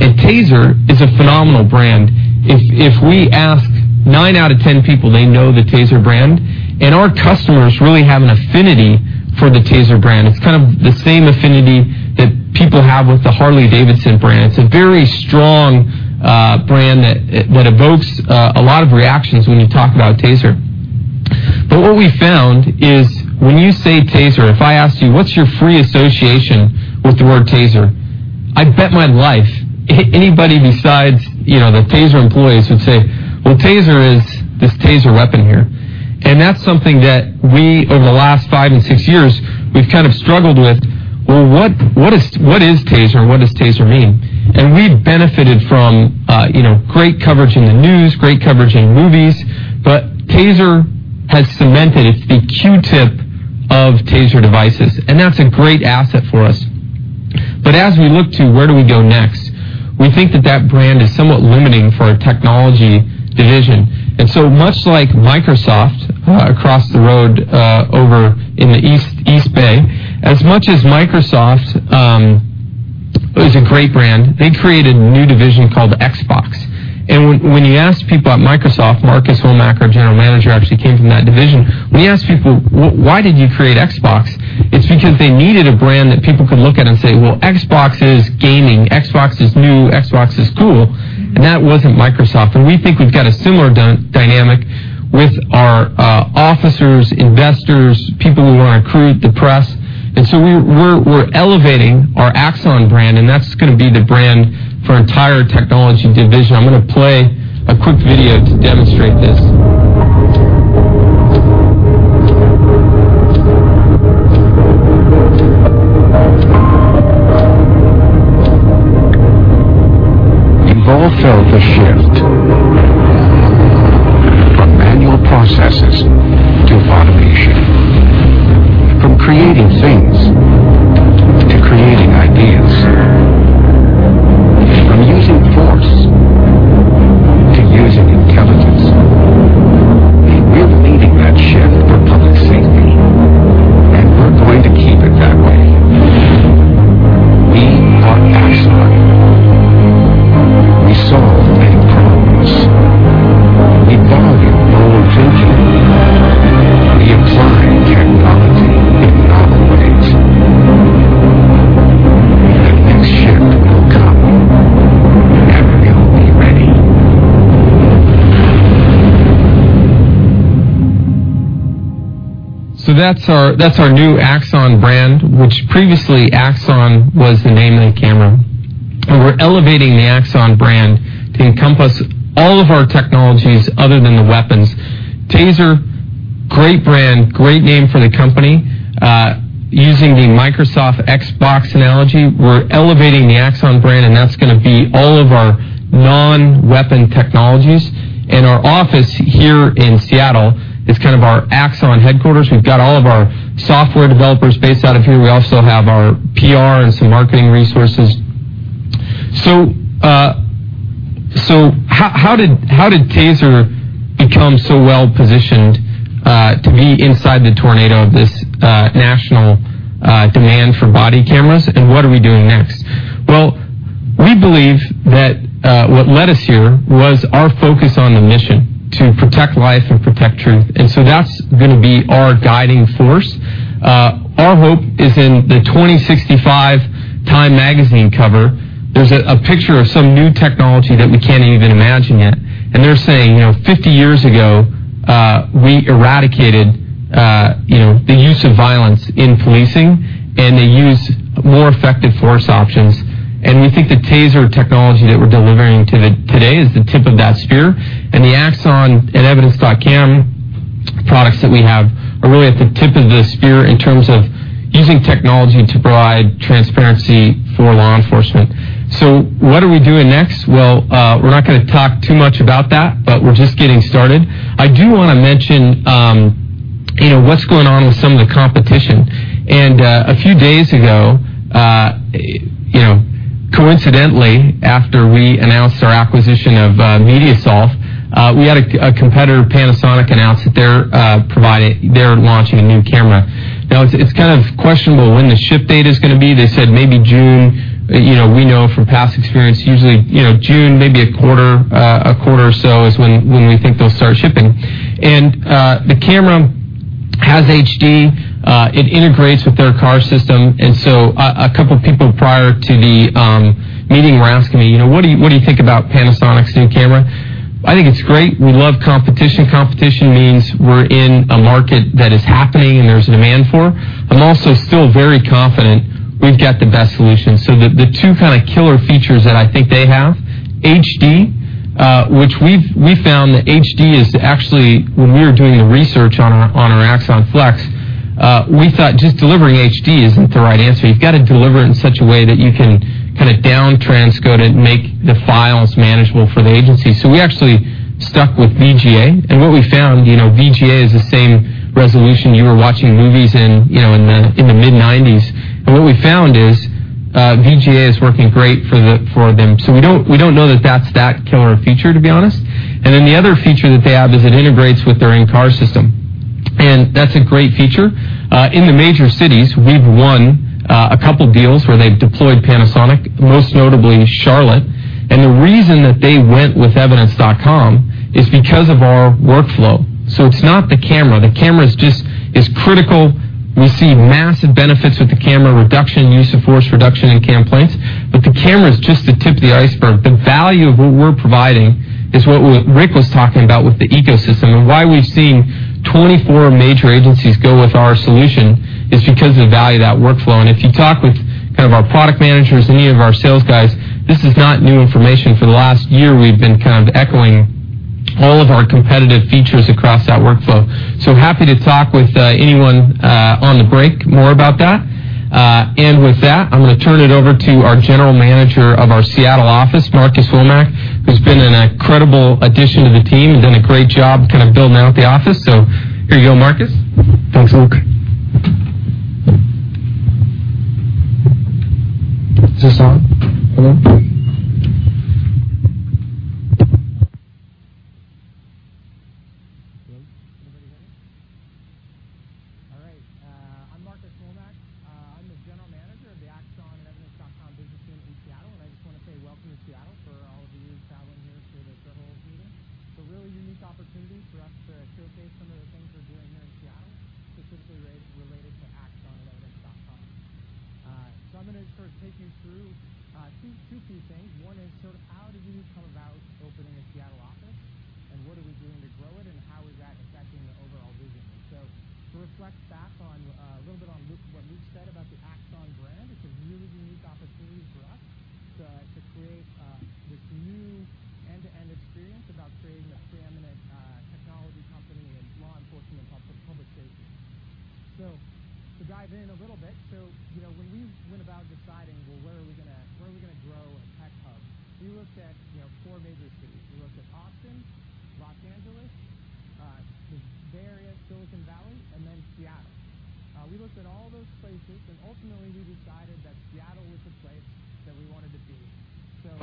Speaker 2: And TASER is a phenomenal brand. If we ask 9 out of 10 people, they know the TASER brand. And our customers really have an affinity for the TASER brand. It's kind of the same affinity that people have with the Harley-Davidson brand. It's a very strong brand that evokes a lot of reactions when you talk about TASER. But what we found is when you say TASER, if I asked you, "What's your free association with the word TASER?" I bet my life anybody besides the TASER employees would say, "Well, TASER is this TASER weapon here." And that's something that we, over the last 5 and 6 years, we've kind of struggled with. Well, what is TASER and what does TASER mean? And we've benefited from great coverage in the news, great coverage in movies. But TASER has cemented it's the Q-tip of TASER devices. And that's a great asset for us. But as we look to where do we go next, we think that that brand is somewhat limiting for our technology division. And so much like Microsoft across the road over in the East Bay, as much as Microsoft is a great brand, they created a new division called Xbox. And when you ask people at Microsoft, Marcus Womack, general manager, actually came from that division. When you ask people, "Why did you create Xbox?" It's because they needed a brand that people could look at and say, "Well, Xbox is gaming. Xbox is new. Xbox is cool." And that wasn't Microsoft. And we think we've got a similar dynamic with our officers, investors, people who want to recruit, the press. And so we're elevating our Axon brand, and that's going to be the brand for our entire technology division. I'm going to play a quick video to demonstrate this.
Speaker 5: We've all felt the shift from manual processes to automation, from creating things to creating ideas, from using force to using intelligence. We're leading that shift for public safety, and we're going to keep it that way. We are Axon. We solve big problems. We value the role of thinking. We apply technology in novel ways. The next shift will come, and we'll be ready.
Speaker 2: So that's our new Axon brand, which previously Axon was the name of the camera. We're elevating the Axon brand to encompass all of our technologies other than the weapons. TASER, great brand, great name for the company. Using the Microsoft Xbox analogy, we're elevating the Axon brand, and that's going to be all of our non-weapon technologies. And our office here in Seattle is kind of our Axon headquarters. We've got all of our software developers based out of here. We also have our PR and some marketing resources. So how did TASER become so well-positioned to be inside the tornado of this national demand for body cameras, and what are we doing next? Well, we believe that what led us here was our focus on the mission to protect life and protect truth. And so that's going to be our guiding force. Our hope is, in the 2065 Time magazine cover, there's a picture of some new technology that we can't even imagine yet. And they're saying, "50 years ago, we eradicated the use of violence in policing, and they used more effective force options." And we think the TASER technology that we're delivering today is the tip of that spear. And the Axon and Evidence.com products that we have are really at the tip of the spear in terms of using technology to provide transparency for law enforcement. So what are we doing next? Well, we're not going to talk too much about that, but we're just getting started. I do want to mention what's going on with some of the competition. And a few days ago, coincidentally, after we announced our acquisition of MediaSolv, we had a competitor, Panasonic, announce that they're launching a new camera. Now, it's kind of questionable when the ship date is going to be. They said maybe June. We know from past experience, usually June, maybe a quarter or so is when we think they'll start shipping. The camera has HD. It integrates with their car system. So a couple of people prior to the meeting were asking me, "What do you think about Panasonic's new camera?" I think it's great. We love competition. Competition means we're in a market that is happening and there's a demand for. I'm also still very confident we've got the best solution. The two kind of killer features that I think they have: HD, which we found that HD is actually, when we were doing the research on our Axon Flex, we thought just delivering HD isn't the right answer. You've got to deliver it in such a way that you can kind of downtranscode it and make the files manageable for the agency. So we actually stuck with VGA. And what we found, VGA is the same resolution you were watching movies in in the mid-1990s. And what we found is VGA is working great for them. So we don't know that that's that killer feature, to be honest. And then the other feature that they have is it integrates with their own car system. And that's a great feature. In the major cities, we've won a couple of deals where they've deployed Panasonic, most notably Charlotte. And the reason that they went with Evidence.com is because of our workflow. So it's not the camera. The camera is critical. We see massive benefits with the camera: reduction in use of force, reduction in complaints. But the camera is just the tip of the iceberg. The value of what we're providing is what Rick was talking about with the ecosystem. And why we've seen 24 major agencies go with our solution is because of the value of that workflow. And if you talk with kind of our product managers, any of our sales guys, this is not new information. For the last year, we've been kind of echoing all of our competitive features across that workflow. So happy to talk with anyone on the break more about that. And with that, I'm going to turn it over to our General Manager of our Seattle office, Marcus Womack, who's been an incredible addition to the team and done a great job kind of building out the office. So here you go, Marcus.
Speaker 6: Thanks, Luke.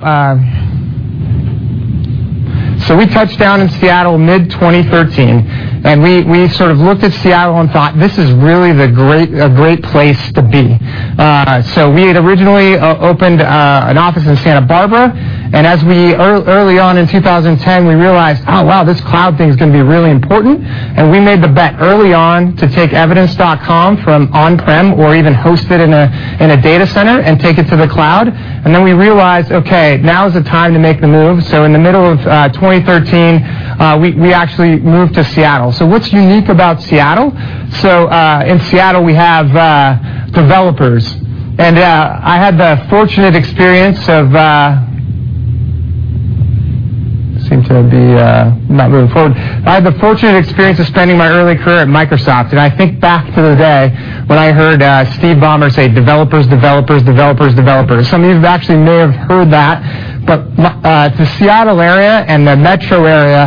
Speaker 6: Seattle. We looked at all those places, and ultimately, we decided that Seattle was the place that we wanted to be. So. So we touched down in Seattle mid-2013. And we sort of looked at Seattle and thought, "This is really a great place to be." So we had originally opened an office in Santa Barbara. And early on in 2010, we realized, "Oh, wow, this cloud thing is going to be really important." And we made the bet early on to take Evidence.com from on-prem or even host it in a data center and take it to the cloud. And then we realized, "Okay, now is the time to make the move." So in the middle of 2013, we actually moved to Seattle. So what's unique about Seattle? So in Seattle, we have developers. And I had the fortunate experience of spending my early career at Microsoft. I think back to the day when I heard Steve Ballmer say, "Developers, developers, developers, developers." Some of you actually may have heard that. The Seattle area and the metro area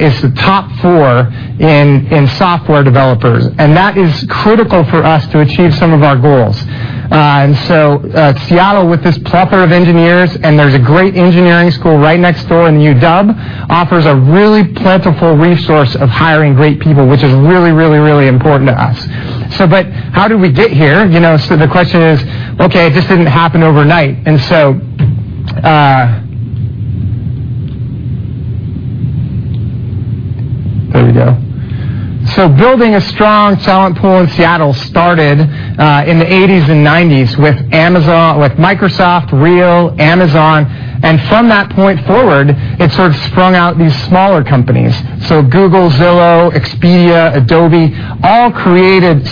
Speaker 6: is the top four in software developers. That is critical for us to achieve some of our goals. Seattle, with this plethora of engineers, and there's a great engineering school right next door in UW, offers a really plentiful resource of hiring great people, which is really, really, really important to us. But how did we get here? The question is, "Okay, it just didn't happen overnight." There we go. Building a strong talent pool in Seattle started in the 1980s and 1990s with Microsoft, Real, Amazon. From that point forward, it sort of sprung out these smaller companies. So Google, Zillow, Expedia, Adobe, all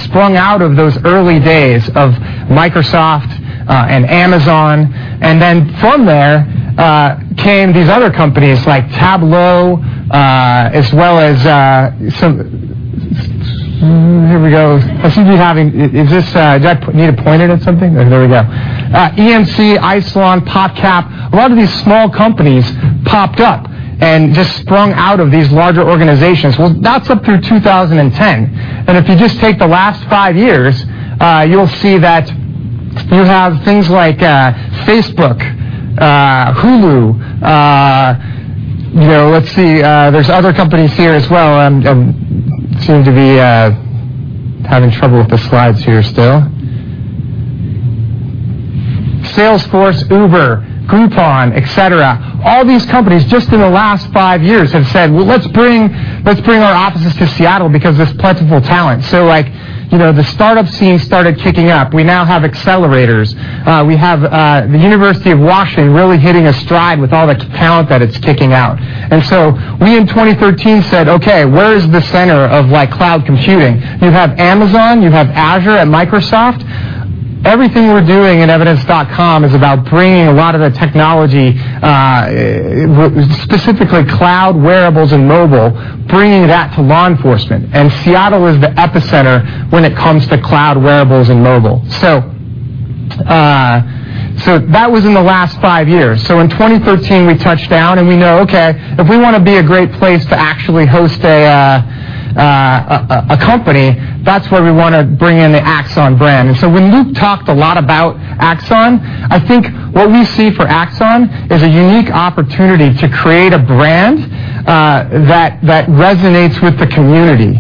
Speaker 6: sprung out of those early days of Microsoft and Amazon. And then from there came these other companies like Tableau, as well as some, here we go. I see you having, do I need to point at something? There we go. EMC, Isilon, PopCap. A lot of these small companies popped up and just sprung out of these larger organizations. Well, that's up through 2010. And if you just take the last 5 years, you'll see that you have things like Facebook, Hulu. Let's see. There's other companies here as well. I seem to be having trouble with the slides here still. Salesforce, Uber, Groupon, etc. All these companies just in the last 5 years have said, "Well, let's bring our offices to Seattle because there's plentiful talent." So the startup scene started kicking up. We now have accelerators. We have the University of Washington really hitting a stride with all the talent that it's kicking out. So we in 2013 said, "Okay, where is the center of cloud computing?" You have Amazon. You have Azure at Microsoft. Everything we're doing in Evidence.com is about bringing a lot of the technology, specifically cloud, wearables, and mobile, bringing that to law enforcement. And Seattle is the epicenter when it comes to cloud, wearables, and mobile. So that was in the last five years. So in 2013, we touched down, and we know, "Okay, if we want to be a great place to actually host a company, that's where we want to bring in the Axon brand." And so when Luke talked a lot about Axon, I think what we see for Axon is a unique opportunity to create a brand that resonates with the community.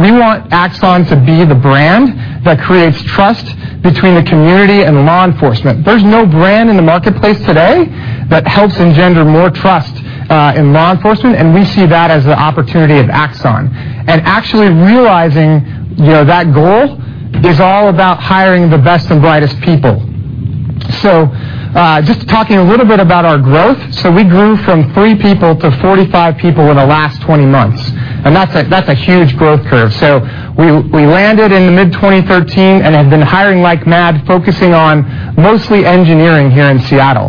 Speaker 6: We want Axon to be the brand that creates trust between the community and law enforcement. There's no brand in the marketplace today that helps engender more trust in law enforcement, and we see that as the opportunity of Axon. Actually realizing that goal is all about hiring the best and brightest people. Just talking a little bit about our growth, so we grew from three people to 45 people in the last 20 months. That's a huge growth curve. We landed in the mid-2013 and have been hiring like mad, focusing on mostly engineering here in Seattle.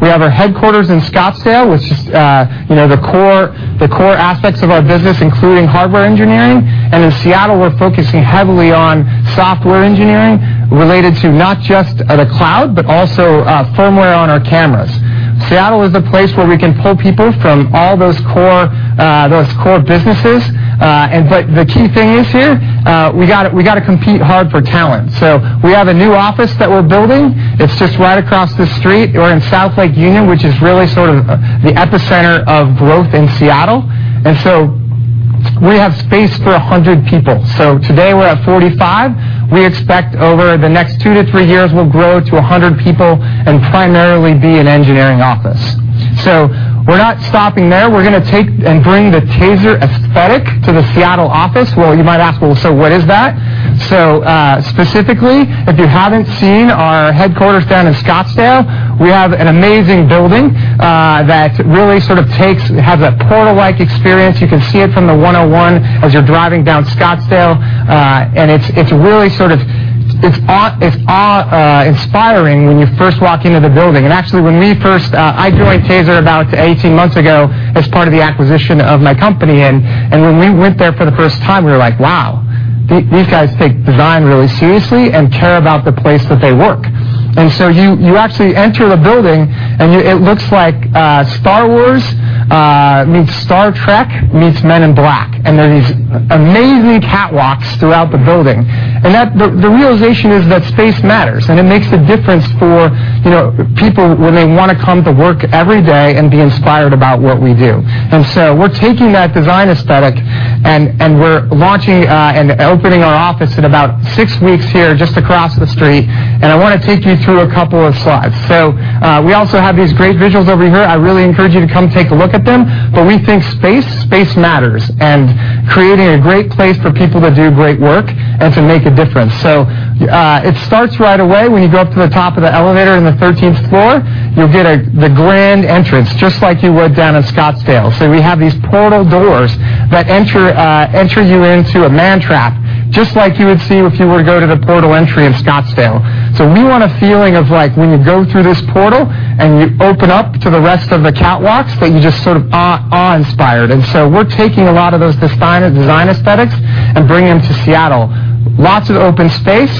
Speaker 6: We have our headquarters in Scottsdale, which is the core aspects of our business, including hardware engineering. In Seattle, we're focusing heavily on software engineering related to not just the cloud, but also firmware on our cameras. Seattle is the place where we can pull people from all those core businesses. But the key thing is here, we got to compete hard for talent. So we have a new office that we're building. It's just right across the street. We're in South Lake Union, which is really sort of the epicenter of growth in Seattle. And so we have space for 100 people. So today we're at 45. We expect over the next 2-3 years, we'll grow to 100 people and primarily be an engineering office. So we're not stopping there. We're going to take and bring the TASER aesthetic to the Seattle office. Well, you might ask, "Well, so what is that?" So specifically, if you haven't seen our headquarters down in Scottsdale, we have an amazing building that really sort of has a portal-like experience. You can see it from the 101 as you're driving down Scottsdale. And it's really sort of inspiring when you first walk into the building. And actually, when we first—I joined TASER about 18 months ago as part of the acquisition of my company. And when we went there for the first time, we were like, "Wow, these guys take design really seriously and care about the place that they work." And so you actually enter the building, and it looks like Star Wars meets Star Trek meets Men in Black. And there are these amazing catwalks throughout the building. And the realization is that space matters, and it makes a difference for people when they want to come to work every day and be inspired about what we do. We're taking that design aesthetic, and we're launching and opening our office in about six weeks here just across the street. I want to take you through a couple of slides. We also have these great visuals over here. I really encourage you to come take a look at them. We think space, space matters, and creating a great place for people to do great work and to make a difference. It starts right away. When you go up to the top of the elevator in the 13th floor, you'll get the grand entrance, just like you would down in Scottsdale. We have these portal doors that enter you into a mantrap, just like you would see if you were to go to the portal entry in Scottsdale. So we want a feeling of when you go through this portal and you open up to the rest of the catwalks that you just sort of awe-inspired. And so we're taking a lot of those design aesthetics and bringing them to Seattle. Lots of open space,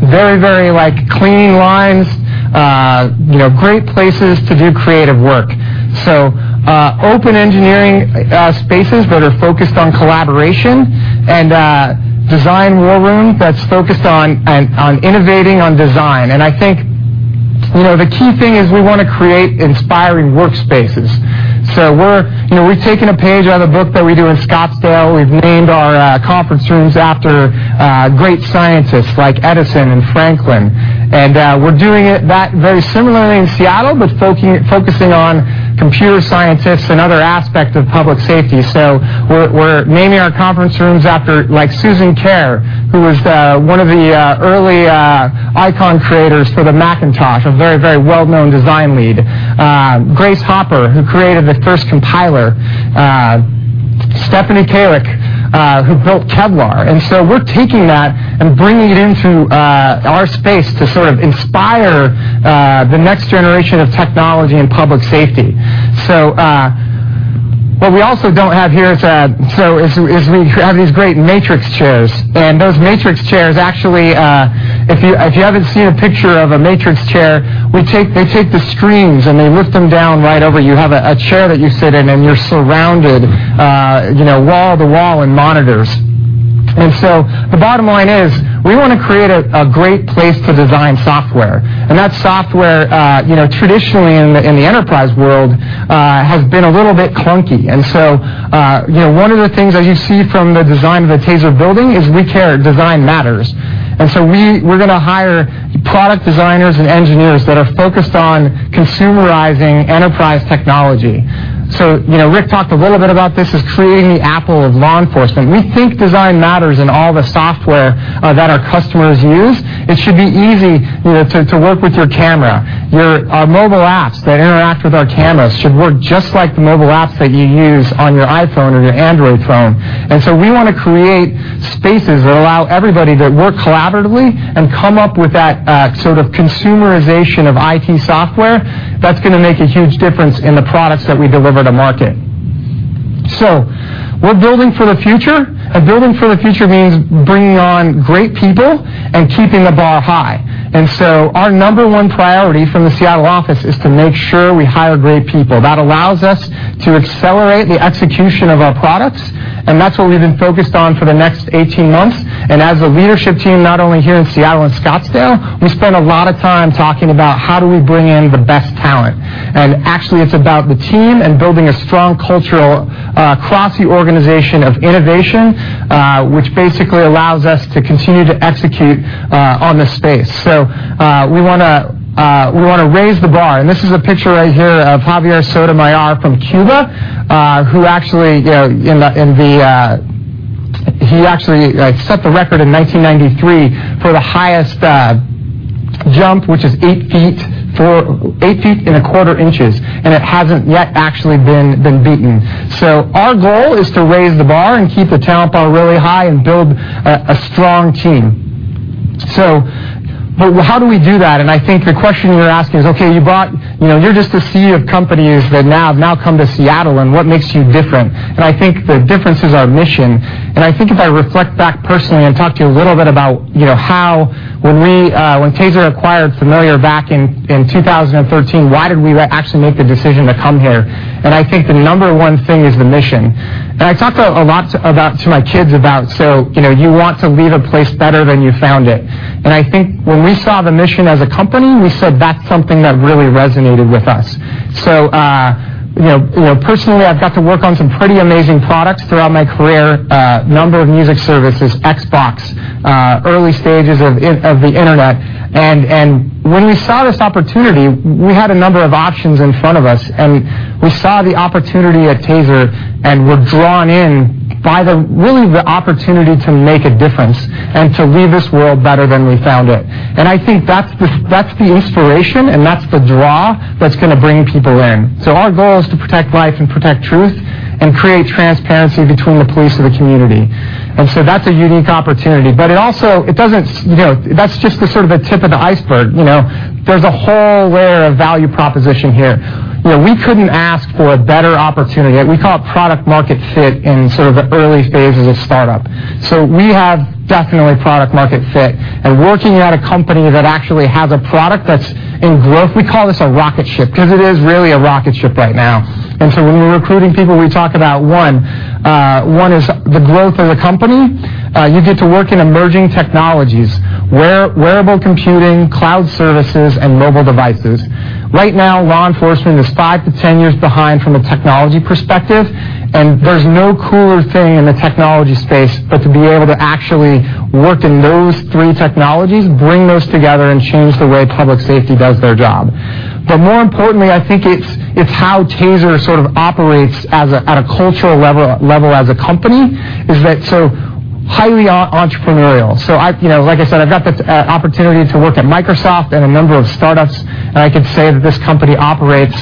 Speaker 6: very, very clean lines, great places to do creative work. So open engineering spaces that are focused on collaboration and design war rooms that's focused on innovating on design. And I think the key thing is we w ant to create inspiring workspaces. So we're taking a page out of the book that we do in Scottsdale. We've named our conference rooms after great scientists like Edison and Franklin. And we're doing that very similarly in Seattle, but focusing on computer scientists and other aspects of public safety. So we're naming our conference rooms after Susan Kare, who was one of the early icon creators for the Macintosh, a very, very well-known design lead; Grace Hopper, who created the first compiler; Stephanie Kwolek, who built Kevlar. And so we're taking that and bringing it into our space to sort of inspire the next generation of technology and public safety. So what we also don't have here is we have these great Matrix chairs. And those Matrix chairs, actually, if you haven't seen a picture of a Matrix chair, they take the screens and they lift them down right over. You have a chair that you sit in, and you're surrounded wall to wall in monitors. And so the bottom line is we want to create a great place to design software. And that software, traditionally in the enterprise world, has been a little bit clunky. One of the things that you see from the design of the TASER building is we care. Design matters. We're going to hire product designers and engineers that are focused on consumerizing enterprise technology. Rick talked a little bit about this as creating the Apple of law enforcement. We think design matters in all the software that our customers use. It should be easy to work with your camera. Our mobile apps that interact with our cameras should work just like the mobile apps that you use on your iPhone or your Android phone. We want to create spaces that allow everybody to work collaboratively and come up with that sort of consumerization of IT software that's going to make a huge difference in the products that we deliver to market. We're building for the future. Building for the future means bringing on great people and keeping the bar high. So our number one priority from the Seattle office is to make sure we hire great people. That allows us to accelerate the execution of our products. That's what we've been focused on for the next 18 months. As a leadership team, not only here in Seattle and Scottsdale, we spend a lot of time talking about how do we bring in the best talent. Actually, it's about the team and building a strong culture across the organization of innovation, which basically allows us to continue to execute on the space. We want to raise the bar. This is a picture right here of Javier Sotomayor from Cuba, who actually—he actually set the record in 1993 for the highest jump, which is 8 feet and a quarter inches. And it hasn't yet actually been beaten. So our goal is to raise the bar and keep the talent bar really high and build a strong team. But how do we do that? And I think the question you're asking is, "Okay, you're just a sea of companies that now have come to Seattle, and what makes you different?" And I think the difference is our mission. And I think if I reflect back personally and talk to you a little bit about how, when TASER acquired MediaSolv back in 2013, why did we actually make the decision to come here? And I think the number one thing is the mission. And I talked a lot to my kids about, "So you want to leave a place better than you found it." And I think when we saw the mission as a company, we said, "That's something that really resonated with us." So personally, I've got to work on some pretty amazing products throughout my career: number of music services, Xbox, early stages of the internet. And when we saw this opportunity, we had a number of options in front of us. And we saw the opportunity at TASER and were drawn in by really the opportunity to make a difference and to leave this world better than we found it. And I think that's the inspiration and that's the draw that's going to bring people in. So our goal is to protect life and protect truth and create transparency between the police and the community. And so that's a unique opportunity. But it also—that's just sort of the tip of the iceberg. There's a whole layer of value proposition here. We couldn't ask for a better opportunity. We call it product-market fit in sort of the early phases of startup. So we have definitely product-market fit. And working at a company that actually has a product that's in growth, we call this a rocket ship because it is really a rocket ship right now. And so when we're recruiting people, we talk about, one, the growth of the company. You get to work in emerging technologies: wearable computing, cloud services, and mobile devices. Right now, law enforcement is 5-10 years behind from a technology perspective. There's no cooler thing in the technology space but to be able to actually work in those three technologies, bring those together, and change the way public safety does their job. But more importantly, I think it's how TASER sort of operates at a cultural level as a company is that it's so highly entrepreneurial. So like I said, I've got the opportunity to work at Microsoft and a number of startups. And I could say that this company operates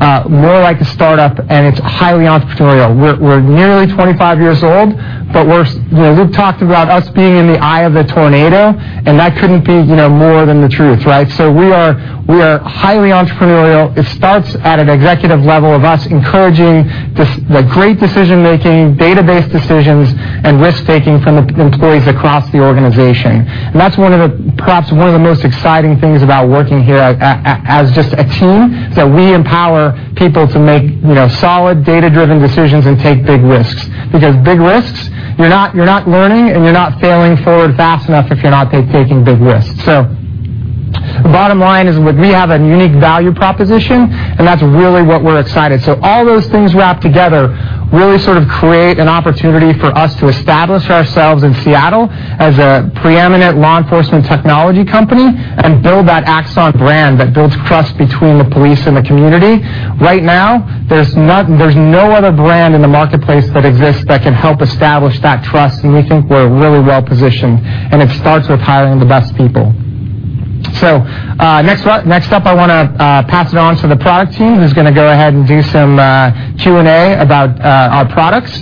Speaker 6: more like a startup, and it's highly entrepreneurial. We're nearly 25 years old, but Luke talked about us being in the eye of the tornado, and that couldn't be more than the truth, right? So we are highly entrepreneurial. It starts at an executive level of us encouraging the great decision-making, database decisions, and risk-taking from employees across the organization. And that's perhaps one of the most exciting things about working here as just a team is that we empower people to make solid data-driven decisions and take big risks. Because big risks, you're not learning, and you're not failing forward fast enough if you're not taking big risks. So the bottom line is we have a unique value proposition, and that's really what we're excited. So all those things wrapped together really sort of create an opportunity for us to establish ourselves in Seattle as a preeminent law enforcement technology company and build that Axon brand that builds trust between the police and the community. Right now, there's no other brand in the marketplace that exists that can help establish that trust. And we think we're really well positioned. And it starts with hiring the best people. So next up, I want to pass it on to the product team who's going to go ahead and do some Q&A about our products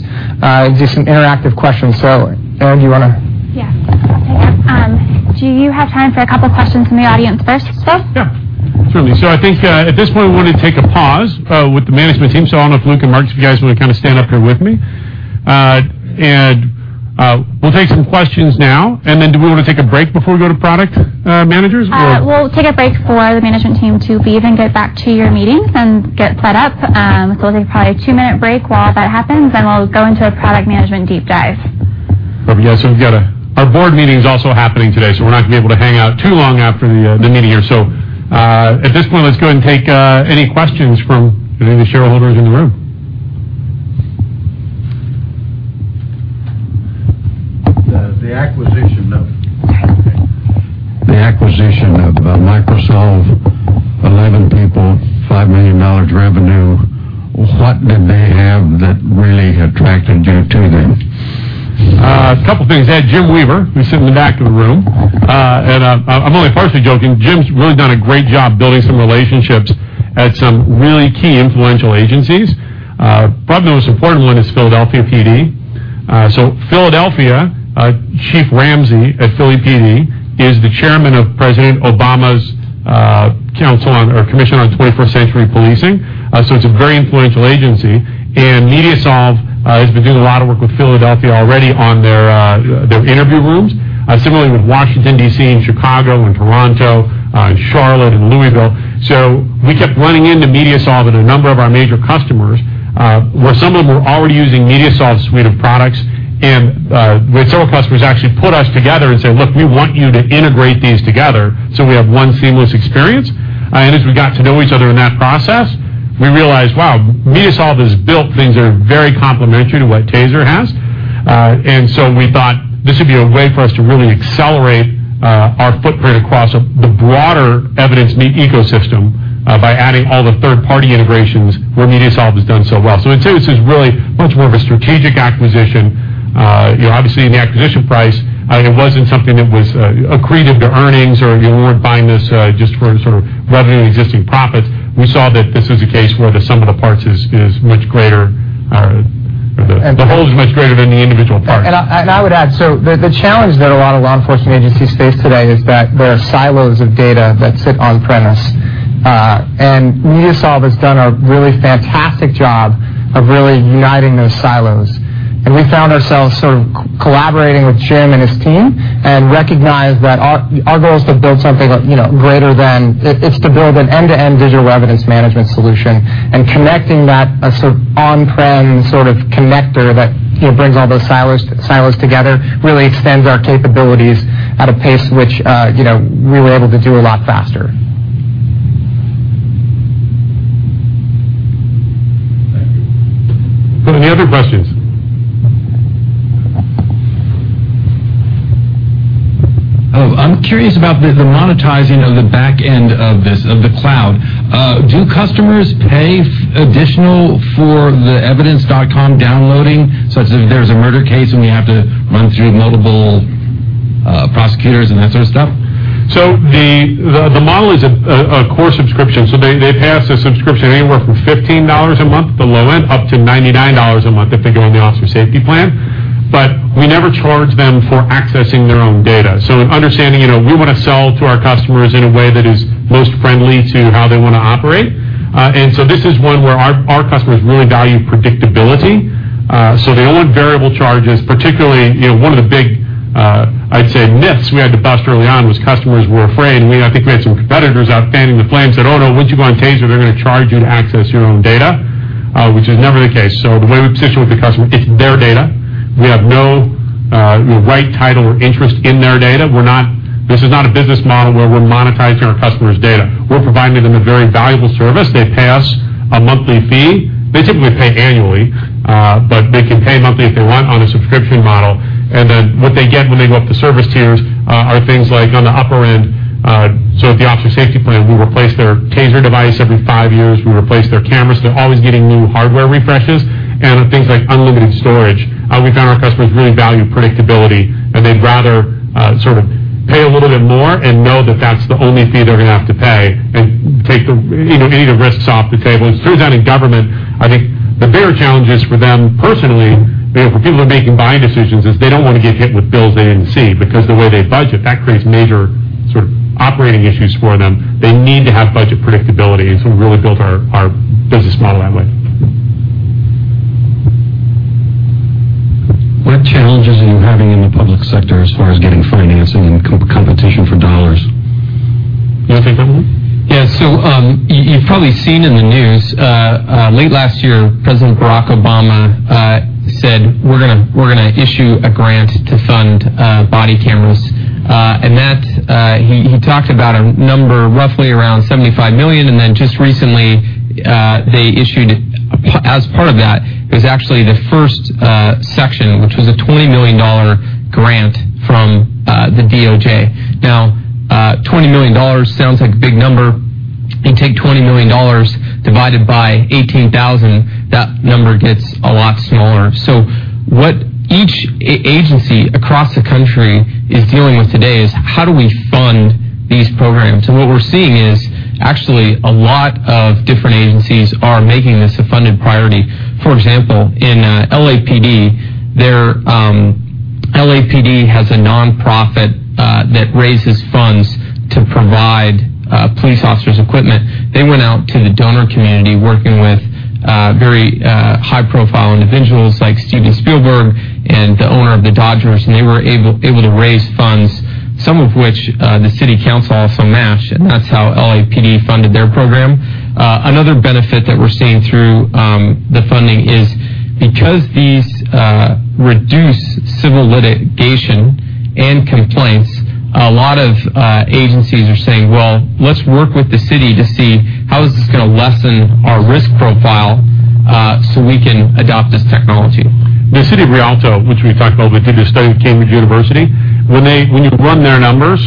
Speaker 6: and do some interactive questions. So do you want to?
Speaker 5: Yeah. Do you have time for a couple of questions from the audience first, Phil? Yeah. Certainly. So I think at this point, we want to take a pause with the management team. So I don't know if Luke and Mark, if you guys want to kind of stand up here with me. And we'll take some questions now. And then do we want to take a break before we go to product managers? We'll take a break for the management team to leave and get back to your meetings and get set up. So we'll take probably a 2-minute break while that happens, and we'll go into a product management deep dive. Perfect. Yeah. Our board meeting is also happening today, so we're not going to be able to hang out too long after the meeting here. At this point, let's go ahead and take any questions from any of the shareholders in the room.
Speaker 7: The acquisition, no. The acquisition of MediaSolv, 11 people, $5 million revenue. What did they have that really attracted you to them?
Speaker 5: A couple of things. I had Jim Weaver, who's sitting in the back of the room. And I'm only partially joking. Jim's really done a great job building some relationships at some really key influential agencies. Probably the most important one is Philadelphia PD. So Philadelphia, Chief Ramsey at Philly PD is the chairman of President Obama's council or commission on 21st Century Policing. So it's a very influential agency. And MediaSolv has been doing a lot of work with Philadelphia already on their interview rooms, similarly with Washington, D.C., and Chicago, and Toronto, and Charlotte, and Louisville. So we kept running into MediaSolv and a number of our major customers, where some of them were already using MediaSolv's suite of products. And some of our customers actually put us together and said, "Look, we want you to integrate these together so we have one seamless experience." And as we got to know each other in that process, we realized, "Wow, MediaSolv has built things that are very complementary to what TASER has." And so we thought this would be a way for us to really accelerate our footprint across the broader evidence ecosystem by adding all the third-party integrations where MediaSolv has done so well. So we'd say this is really much more of a strategic acquisition. Obviously, in the acquisition price, it wasn't something that was accretive to earnings or you weren't buying this just for sort of revenue and existing profits. We saw that this was a case where the sum of the parts is much greater. The whole is much greater than the individual parts. I would add, so the challenge that a lot of law enforcement agencies face today is that there are silos of data that sit on-premise. MediaSolv has done a really fantastic job of really uniting those silos. We found ourselves sort of collaborating with Jim and his team and recognized that our goal is to build something greater than it's to build an end-to-end digital evidence management solution. Connecting that sort of on-prem sort of connector that brings all those silos together really extends our capabilities at a pace which we were able to do a lot faster. Thank you. Any other questions?
Speaker 8: I'm curious about the monetizing of the back end of this, of the cloud. Do customers pay additional for the Evidence.com downloading such as if there's a murder case and we have to run through multiple prosecutors and that sort of stuff?
Speaker 5: So the model is a core subscription. So they pass a subscription anywhere from $15 a month, the low end, up to $99 a month if they go on the Officer Safety Plan. But we never charge them for accessing their own data. So in understanding we want to sell to our customers in a way that is most friendly to how they want to operate. And so this is one where our customers really value predictability. So they don't want variable charges. Particularly, one of the big, I'd say, myths we had to bust early on was customers were afraid. And I think we had some competitors out fanning the flame and said, "Oh, no, once you go on TASER, they're going to charge you to access your own data," which is never the case. So the way we position with the customer, it's their data. We have no right, title, or interest in their data. This is not a business model where we're monetizing our customers' data. We're providing them a very valuable service. They pay us a monthly fee. They typically pay annually, but they can pay monthly if they want on a subscription model. And then what they get when they go up the service tiers are things like, on the upper end, so at the Axon Safety Plan, we replace their TASER device every five years. We replace their cameras. They're always getting new hardware refreshes. And things like unlimited storage. We found our customers really value predictability, and they'd rather sort of pay a little bit more and know that that's the only fee they're going to have to pay and take any of the risks off the table. It turns out in government, I think the bigger challenge is for them personally, for people who are making buying decisions, is they don't want to get hit with bills they didn't see because of the way they budget. That creates major sort of operating issues for them. They need to have budget predictability. And so we really built our business model that way.
Speaker 8: What challenges are you having in the public sector as far as getting financing and competition for dollars?
Speaker 5: You want to take that one? Yeah. So you've probably seen in the news, late last year, President Barack Obama said, "We're going to issue a grant to fund body cameras." He talked about a number roughly around $75 million. Then just recently, they issued as part of that, it was actually the first section, which was a $20 million grant from the DOJ. Now, $20 million sounds like a big number. You take $20 million divided by 18,000, that number gets a lot smaller. So what each agency across the country is dealing with today is how do we fund these programs? What we're seeing is actually a lot of different agencies are making this a funded priority. For example, in LAPD, LAPD has a nonprofit that raises funds to provide police officers equipment. They went out to the donor community working with very high-profile individuals like Steven Spielberg and the owner of the Dodgers. They were able to raise funds, some of which the city council also matched. That's how LAPD funded their program. Another benefit that we're seeing through the funding is because these reduce civil litigation and complaints, a lot of agencies are saying, "Well, let's work with the city to see how is this going to lessen our risk profile so we can adopt this technology. The city of Rialto, which we talked about a little bit through the study of Cambridge University, when you run their numbers,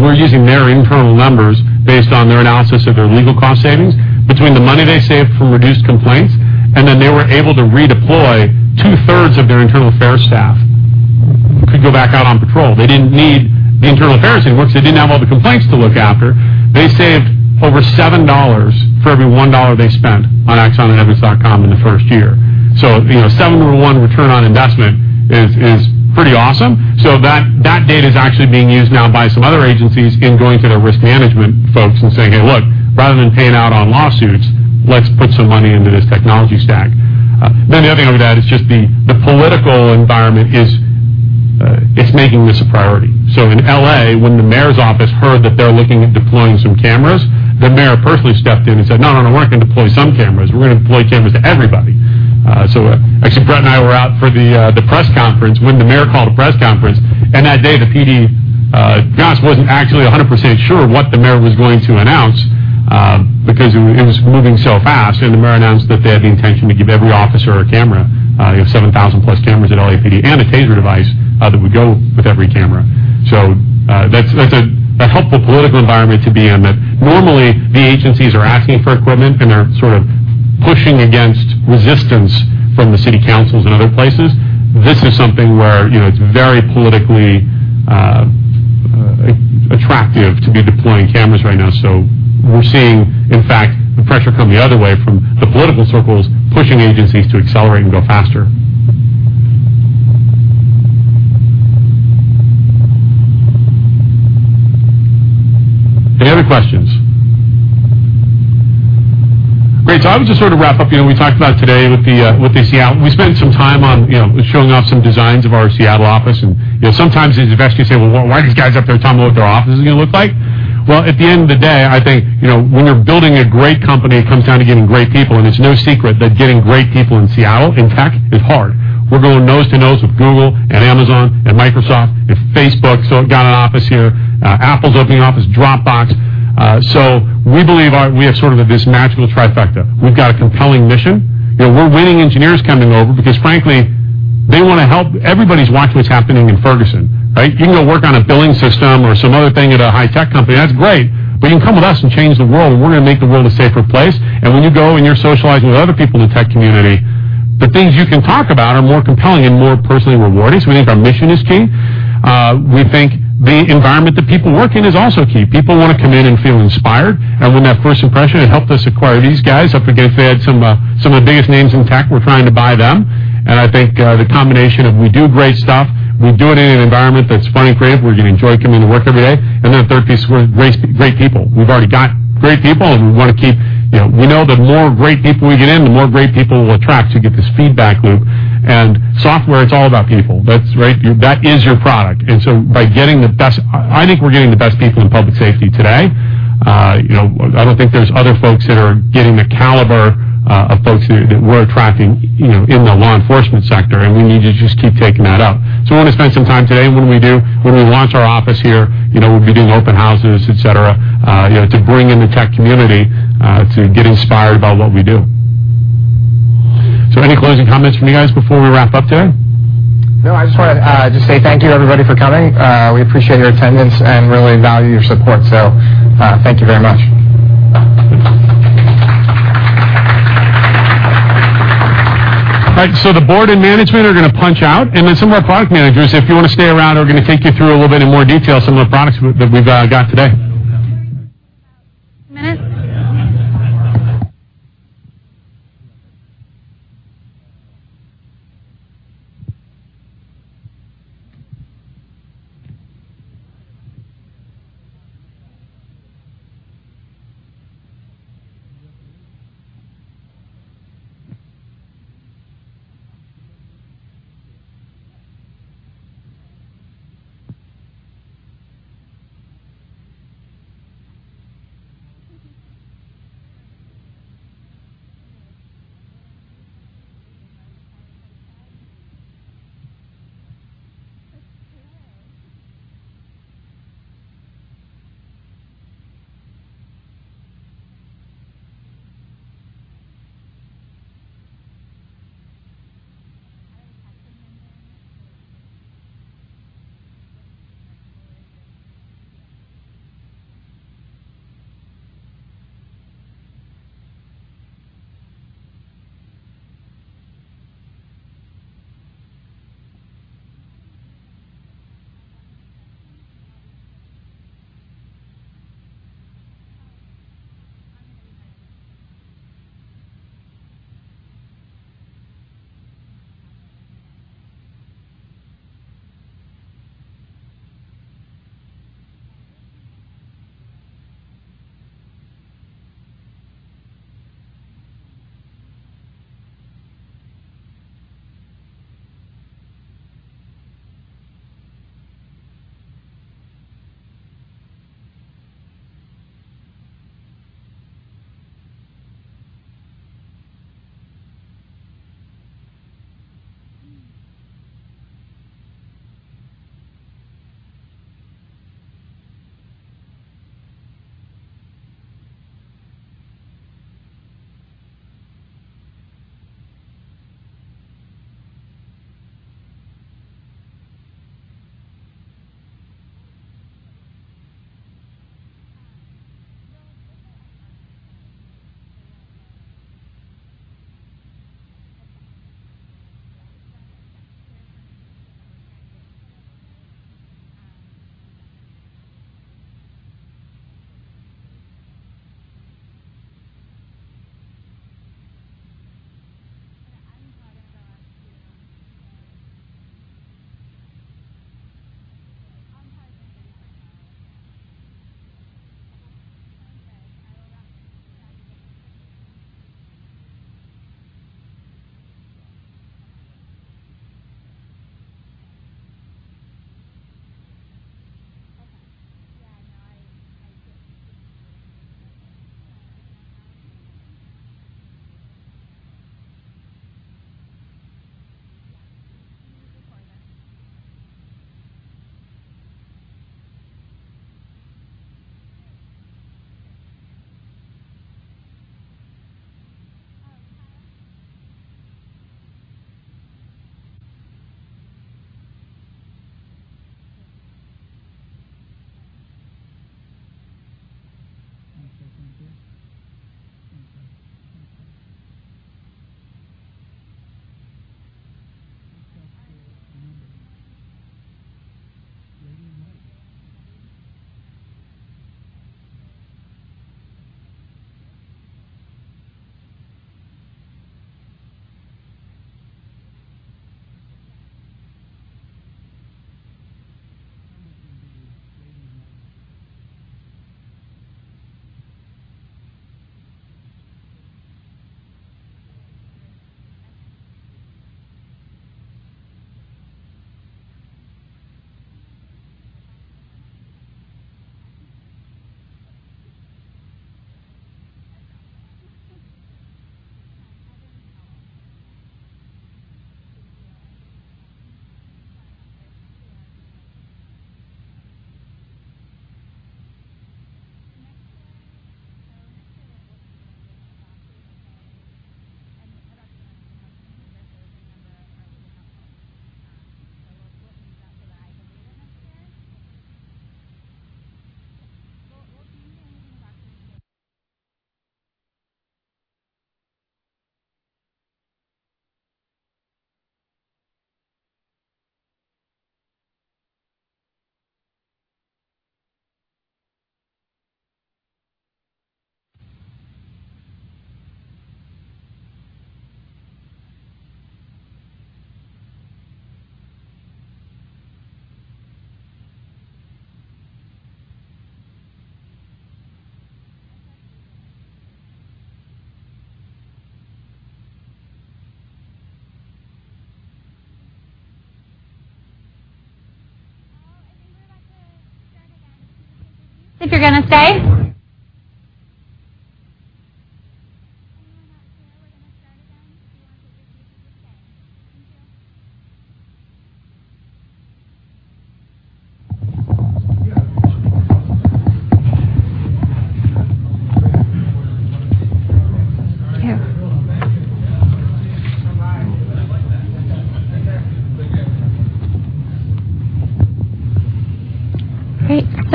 Speaker 5: we're using their internal numbers based on their analysis of their legal cost savings between the money they saved from reduced complaints. Then they were able to redeploy two-thirds of their internal affairs staff who could go back out on patrol. They didn't need the internal affairs anymore because they didn't have all the complaints to look after. They saved over $7 for every $1 they spent on Axon and Evidence.com in the first year. A 7-to-1 return on investment is pretty awesome. So that data is actually being used now by some other agencies in going to their risk management folks and saying, "Hey, look, rather than paying out on lawsuits, let's put some money into this technology stack." Then the other thing over there is just the political environment is it's making this a priority. So in L.A., when the mayor's office heard that they're looking at deploying some cameras, the mayor personally stepped in and said, "No, no, no. We're not going to deploy some cameras. We're going to deploy cameras to everybody." So actually, Bret and I were out for the press conference when the mayor called a press conference. And that day, the PD, gosh, wasn't actually 100% sure what the mayor was going to announce because it was moving so fast. The mayor announced that they had the intention to give every officer a camera, 7,000+ cameras at LAPD and a TASER device that would go with every camera. That's a helpful political environment to be in. But normally, the agencies are asking for equipment, and they're sort of pushing against resistance from the city councils and other places. This is something where it's very politically attractive to be deploying cameras right now. We're seeing, in fact, the pressure come the other way from the political circles pushing agencies to accelerate and go faster. Any other questions? Great. I would just sort of wrap up. We talked about today with the Seattle. We spent some time on showing off some designs of our Seattle office. Sometimes these investigators say, "Well, why are these guys up there telling me what their office is going to look like?" Well, at the end of the day, I think when you're building a great company, it comes down to getting great people. It's no secret that getting great people in Seattle, in fact, is hard. We're going nose to nose with Google and Amazon and Microsoft and Facebook. So we've got an office here. Apple's opening an office, and Dropbox. So we believe we have sort of this magical trifecta. We've got a compelling mission. We're winning engineers coming over because, frankly, they want to help. Everybody's watching what's happening in Ferguson, right? You can go work on a billing system or some other thing at a high-tech company. That's great. But you can come with us and change the world, and we're going to make the world a safer place. And when you go and you're socializing with other people in the tech community, the things you can talk about are more compelling and more personally rewarding. So we think our mission is key. We think the environment that people work in is also key. People want to come in and feel inspired. And when that first impression helped us acquire these guys, I forget if they had some of the biggest names in tech. We're trying to buy them. And I think the combination of we do great stuff, we do it in an environment that's fun and creative, we're going to enjoy coming to work every day. And then the third piece is we're great people. We've already got great people, and we want to keep we know that the more great people we get in, the more great people we'll attract to get this feedback loop. And software, it's all about people. That's right. That is your product. And so by getting the best, I think, we're getting the best people in public safety today. I don't think there's other folks that are getting the caliber of folks that we're attracting in the law enforcement sector. And we need to just keep taking that up. So we want to spend some time today. And what do we do? When we launch our office here, we'll be doing open houses, etc., to bring in the tech community to get inspired by what we do. So any closing comments from you guys before we wrap up today?
Speaker 8: No, I just want to say thank you, everybody, for coming. We appreciate your attendance and really value your support. So thank you very much.
Speaker 5: All right. So the board and management are going to punch out. And then some of our product managers, if you want to stay around, are going to take you through a little bit in more detail some of the products that we've got today.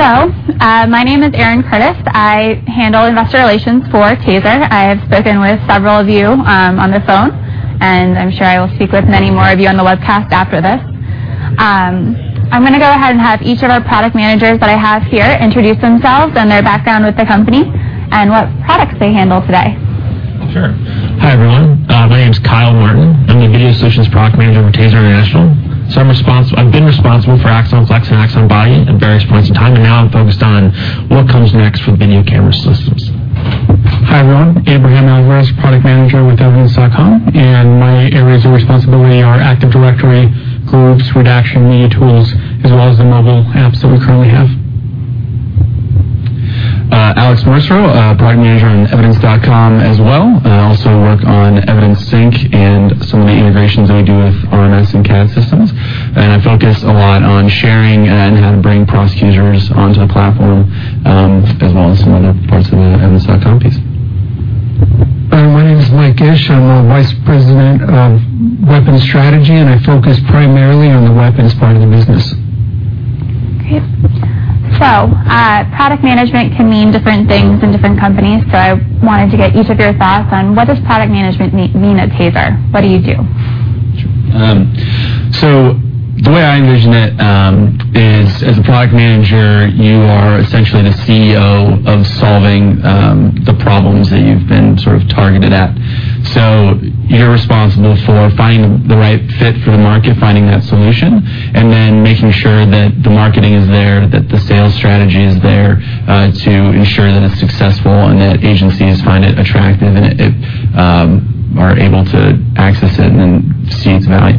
Speaker 9: If you're not sure, we're going to start again. If you want to refuse, you just say. Thank you.
Speaker 10: Great. So my name is Erin Curtis. I handle investor relations for TASER. I have spoken with several of you on the phone, and I'm sure I will speak with many more of you on the webcast after this. I'm going to go ahead and have each of our product managers that I have here introduce themselves and their background with the company and what products they handle today.
Speaker 11: Sure. Hi, everyone. My name is Kyle Martin. I'm the video solutions product manager with TASER International. I've been responsible for Axon Flex and Axon Body at various points in time. Now I'm focused on what comes next with video camera systems.
Speaker 12: Hi, everyone. Abraham Alvarez, Product Manager with Evidence.com. My areas of responsibility are Active Directory, groups, redaction, media tools, as well as the mobile apps that we currently have.
Speaker 13: Alex Mersereau, product manager on Evidence.com as well. I also work on Evidence Sync and some of the integrations that we do with RMS and CAD systems. I focus a lot on sharing and how to bring prosecutors onto the platform, as well as some other parts of the Evidence.com piece.
Speaker 14: My name is Mike Gish. I'm a Vice President of weapons strategy, and I focus primarily on the weapons part of the business.
Speaker 10: Great. Product management can mean different things in different companies. I wanted to get each of your thoughts on what does product management mean at TASER? What do you do?
Speaker 11: The way I envision it is, as a product manager, you are essentially the CEO of solving the problems that you've been sort of targeted at. So you're responsible for finding the right fit for the market, finding that solution, and then making sure that the marketing is there, that the sales strategy is there to ensure that it's successful and that agencies find it attractive and are able to access it and see its value.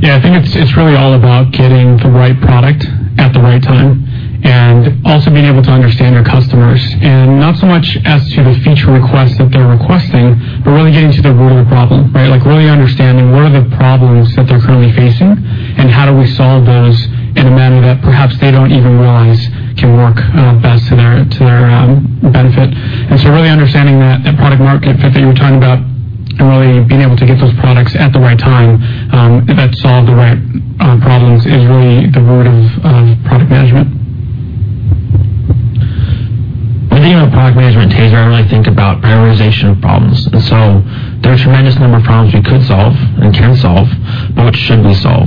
Speaker 12: Yeah. I think it's really all about getting the right product at the right time and also being able to understand our customers. And not so much as to the feature requests that they're requesting, but really getting to the root of the problem, right? Really understanding what are the problems that they're currently facing and how do we solve those in a manner that perhaps they don't even realize can work best to their benefit. And so really understanding that product-market fit that you were talking about and really being able to get those products at the right time that solve the right problems is really the root of product management.
Speaker 11: When thinking about product management at TASER, I really think about prioritization of problems. There are a tremendous number of problems we could solve and can solve, but which should we solve?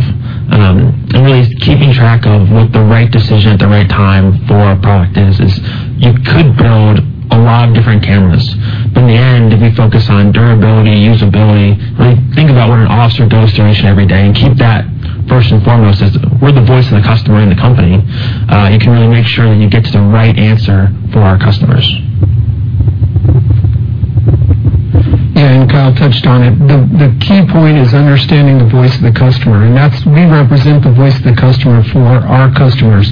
Speaker 11: Really keeping track of what the right decision at the right time for a product is, is you could build a lot of different cameras. In the end, if we focus on durability, usability, really think about what an officer goes through each and every day and keep that first and foremost as we're the voice of the customer in the company. You can really make sure that you get to the right answer for our customers.
Speaker 13: Yeah. Kyle touched on it. The key point is understanding the voice of the customer. We represent the voice of the customer for our customers.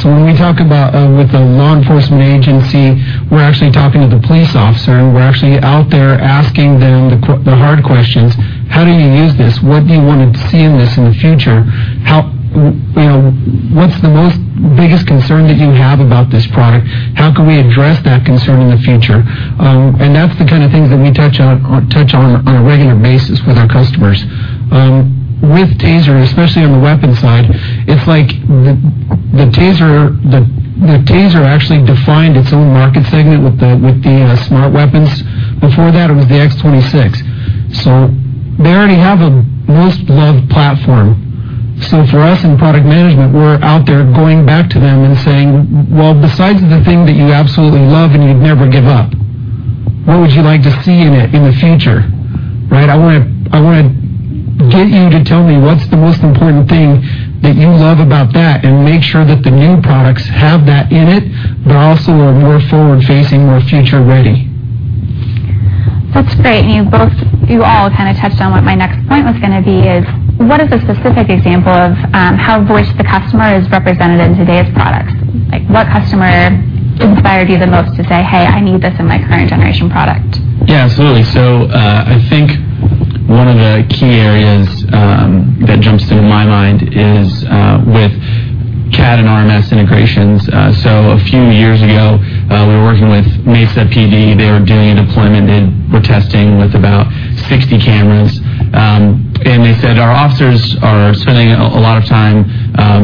Speaker 13: So when we talk about with a law enforcement agency, we're actually talking to the police officer, and we're actually out there asking them the hard questions. How do you use this? What do you want to see in this in the future? What's the biggest concern that you have about this product? How can we address that concern in the future? And that's the kind of things that we touch on on a regular basis with our customers. With TASER, especially on the weapon side, it's like the TASER actually defined its own market segment with the smart weapons. Before that, it was the X26. So they already have a most-loved platform. So for us in product management, we're out there going back to them and saying, "Well, besides the thing that you absolutely love and you'd never give up, what would you like to see in it in the future?" Right? I want to get you to tell me what's the most important thing that you love about that and make sure that the new products have that in it, but also are more forward-facing, more future-ready.
Speaker 10: That's great. You all kind of touched on what my next point was going to be is, what is a specific example of how voice of the customer is represented in today's products? What customer inspired you the most to say, "Hey, I need this in my current-generation product"?
Speaker 11: Yeah, absolutely. So I think one of the key areas that jumps into my mind is with CAD and RMS integrations. So a few years ago, we were working with Mesa PD. They were doing a deployment. They were testing with about 60 cameras. And they said, "Our officers are spending a lot of time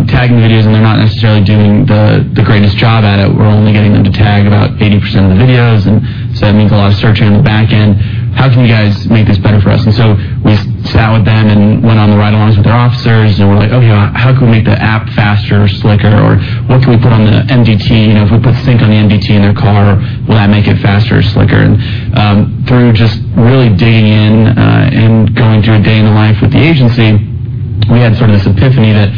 Speaker 11: tagging videos, and they're not necessarily doing the greatest job at it. We're only getting them to tag about 80% of the videos. And so that means a lot of searching on the back end. How can you guys make this better for us?" And so we sat with them and went on the ride-alongs with their officers. And we're like, "Oh, yeah. How can we make the app faster or slicker? Or what can we put on the MDT? If we put Sync on the MDT in their car, will that make it faster or slicker?" And through just really digging in and going through a day in the life with the agency, we had sort of this epiphany that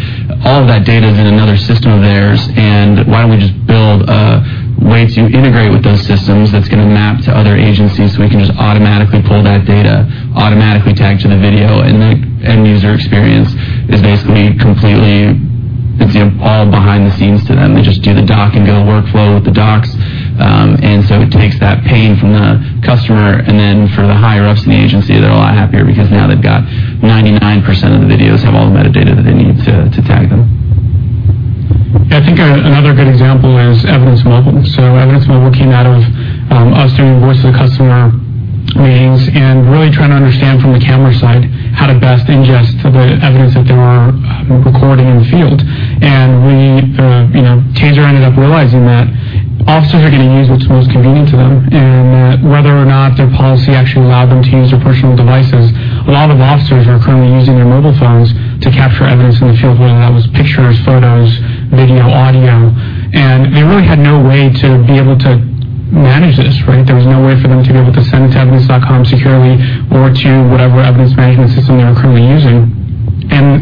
Speaker 11: all of that data is in another system of theirs. And why don't we just build a way to integrate with those systems that's going to map to other agencies so we can just automatically pull that data, automatically tag to the video. And the end-user experience is basically completely all behind the scenes to them. They just do the doc and go to workflow with the docs. And so it takes that pain from the customer. And then for the higher-ups in the agency, they're a lot happier because now they've got 99% of the videos have all the metadata that they need to tag them.
Speaker 12: Yeah. I think another good example is Evidence Mobile. So Evidence Mobile came out of us doing voice-to-the-customer meetings and really trying to understand from the camera side how to best ingest the evidence that they were recording in the field. And TASER ended up realizing that officers are going to use what's most convenient to them and that whether or not their policy actually allowed them to use their personal devices, a lot of officers are currently using their mobile phones to capture evidence in the field, whether that was pictures, photos, video, audio. And they really had no way to be able to manage this, right? There was no way for them to be able to send it to Evidence.com securely or to whatever evidence management system they were currently using.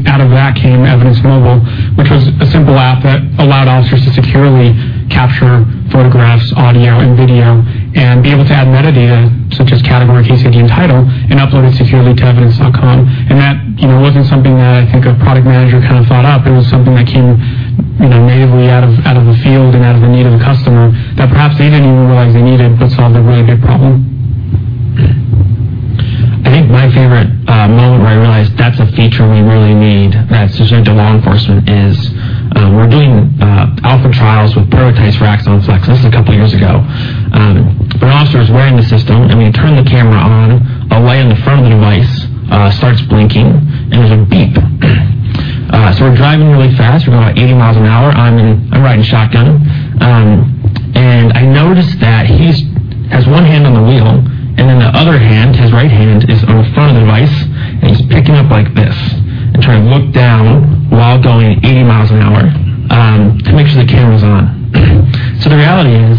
Speaker 12: Out of that came Evidence Mobile, which was a simple app that allowed officers to securely capture photographs, audio, and video and be able to add metadata such as category, case ID, and title and upload it securely to Evidence.com. That wasn't something that I think a product manager kind of thought up. It was something that came natively out of the field and out of the need of the customer that perhaps they didn't even realize they needed but solved a really big problem.
Speaker 11: I think my favorite moment where I realized that's a feature we really need that's essentially to law enforcement is we're doing alpha trials with prototypes for Axon Flex. This was a couple of years ago. Our officer is wearing the system. We turn the camera on. A light on the front of the device starts blinking, and there's a beep. So we're driving really fast. We're going about 80 miles an hour. I'm riding shotgun. I noticed that he has one hand on the wheel, and then the other hand, his right hand, is on the front of the device. He's picking up like this and trying to look down while going 80 miles an hour to make sure the camera's on. The reality is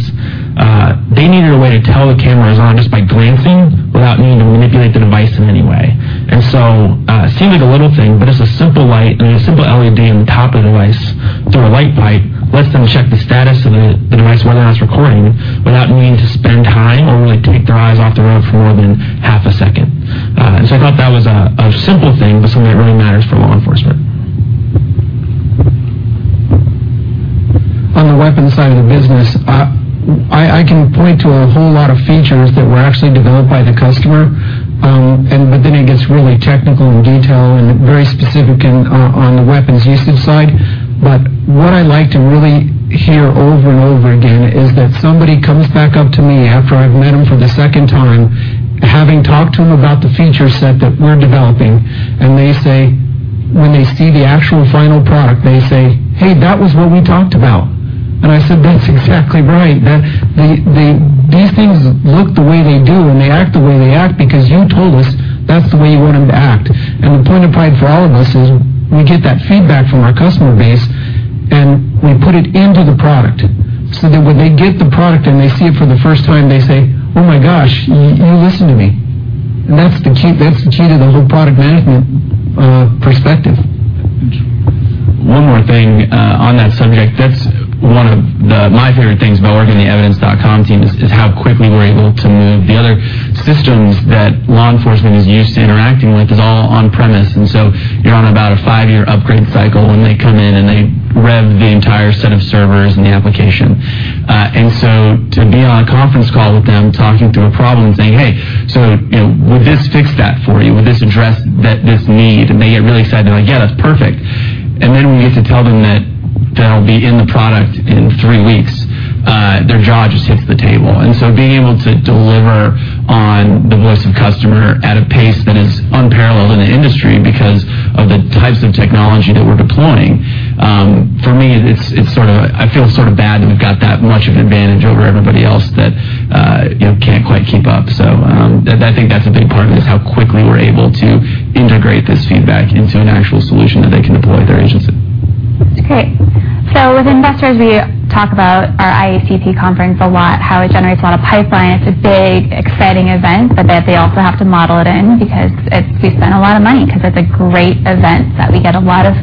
Speaker 11: they needed a way to tell the camera is on just by glancing without needing to manipulate the device in any way. It seemed like a little thing, but it's a simple light and a simple LED on the top of the device through a light pipe lets them check the status of the device, whether or not it's recording, without needing to spend time or really take their eyes off the road for more than half a second. I thought that was a simple thing, but something that really matters for law enforcement.
Speaker 14: On the weapons side of the business, I can point to a whole lot of features that were actually developed by the customer. But then it gets really technical in detail and very specific on the weapons usage side. But what I like to really hear over and over again is that somebody comes back up to me after I've met them for the second time, having talked to them about the feature set that we're developing. And when they see the actual final product, they say, "Hey, that was what we talked about." And I said, "That's exactly right. These things look the way they do, and they act the way they act because you told us that's the way you want them to act. The point of pride for all of us is we get that feedback from our customer base, and we put it into the product. So that when they get the product and they see it for the first time, they say, "Oh my gosh, you listened to me." That's the key to the whole product management perspective.
Speaker 11: One more thing on that subject. That's one of my favorite things about working on the Evidence.com team is how quickly we're able to move. The other systems that law enforcement is used to interacting with is all on-premise. And so you're on about a five-year upgrade cycle when they come in and they rev the entire set of servers and the application. And so to be on a conference call with them, talking through a problem and saying, "Hey, so would this fix that for you? Would this address this need?" And they get really excited. They're like, "Yeah, that's perfect." And then when we get to tell them that they'll be in the product in three weeks, their jaw just hits the table. And so being able to deliver on the voice of the customer at a pace that is unparalleled in the industry because of the types of technology that we're deploying, for me, I feel sort of bad that we've got that much of an advantage over everybody else that can't quite keep up. So I think that's a big part of this, how quickly we're able to integrate this feedback into an actual solution that they can deploy at their agency.
Speaker 10: Okay. So with investors, we talk about our IACP conference a lot, how it generates a lot of pipeline. It's a big, exciting event, but they also have to model it in because we spend a lot of money because it's a great event that we get a lot of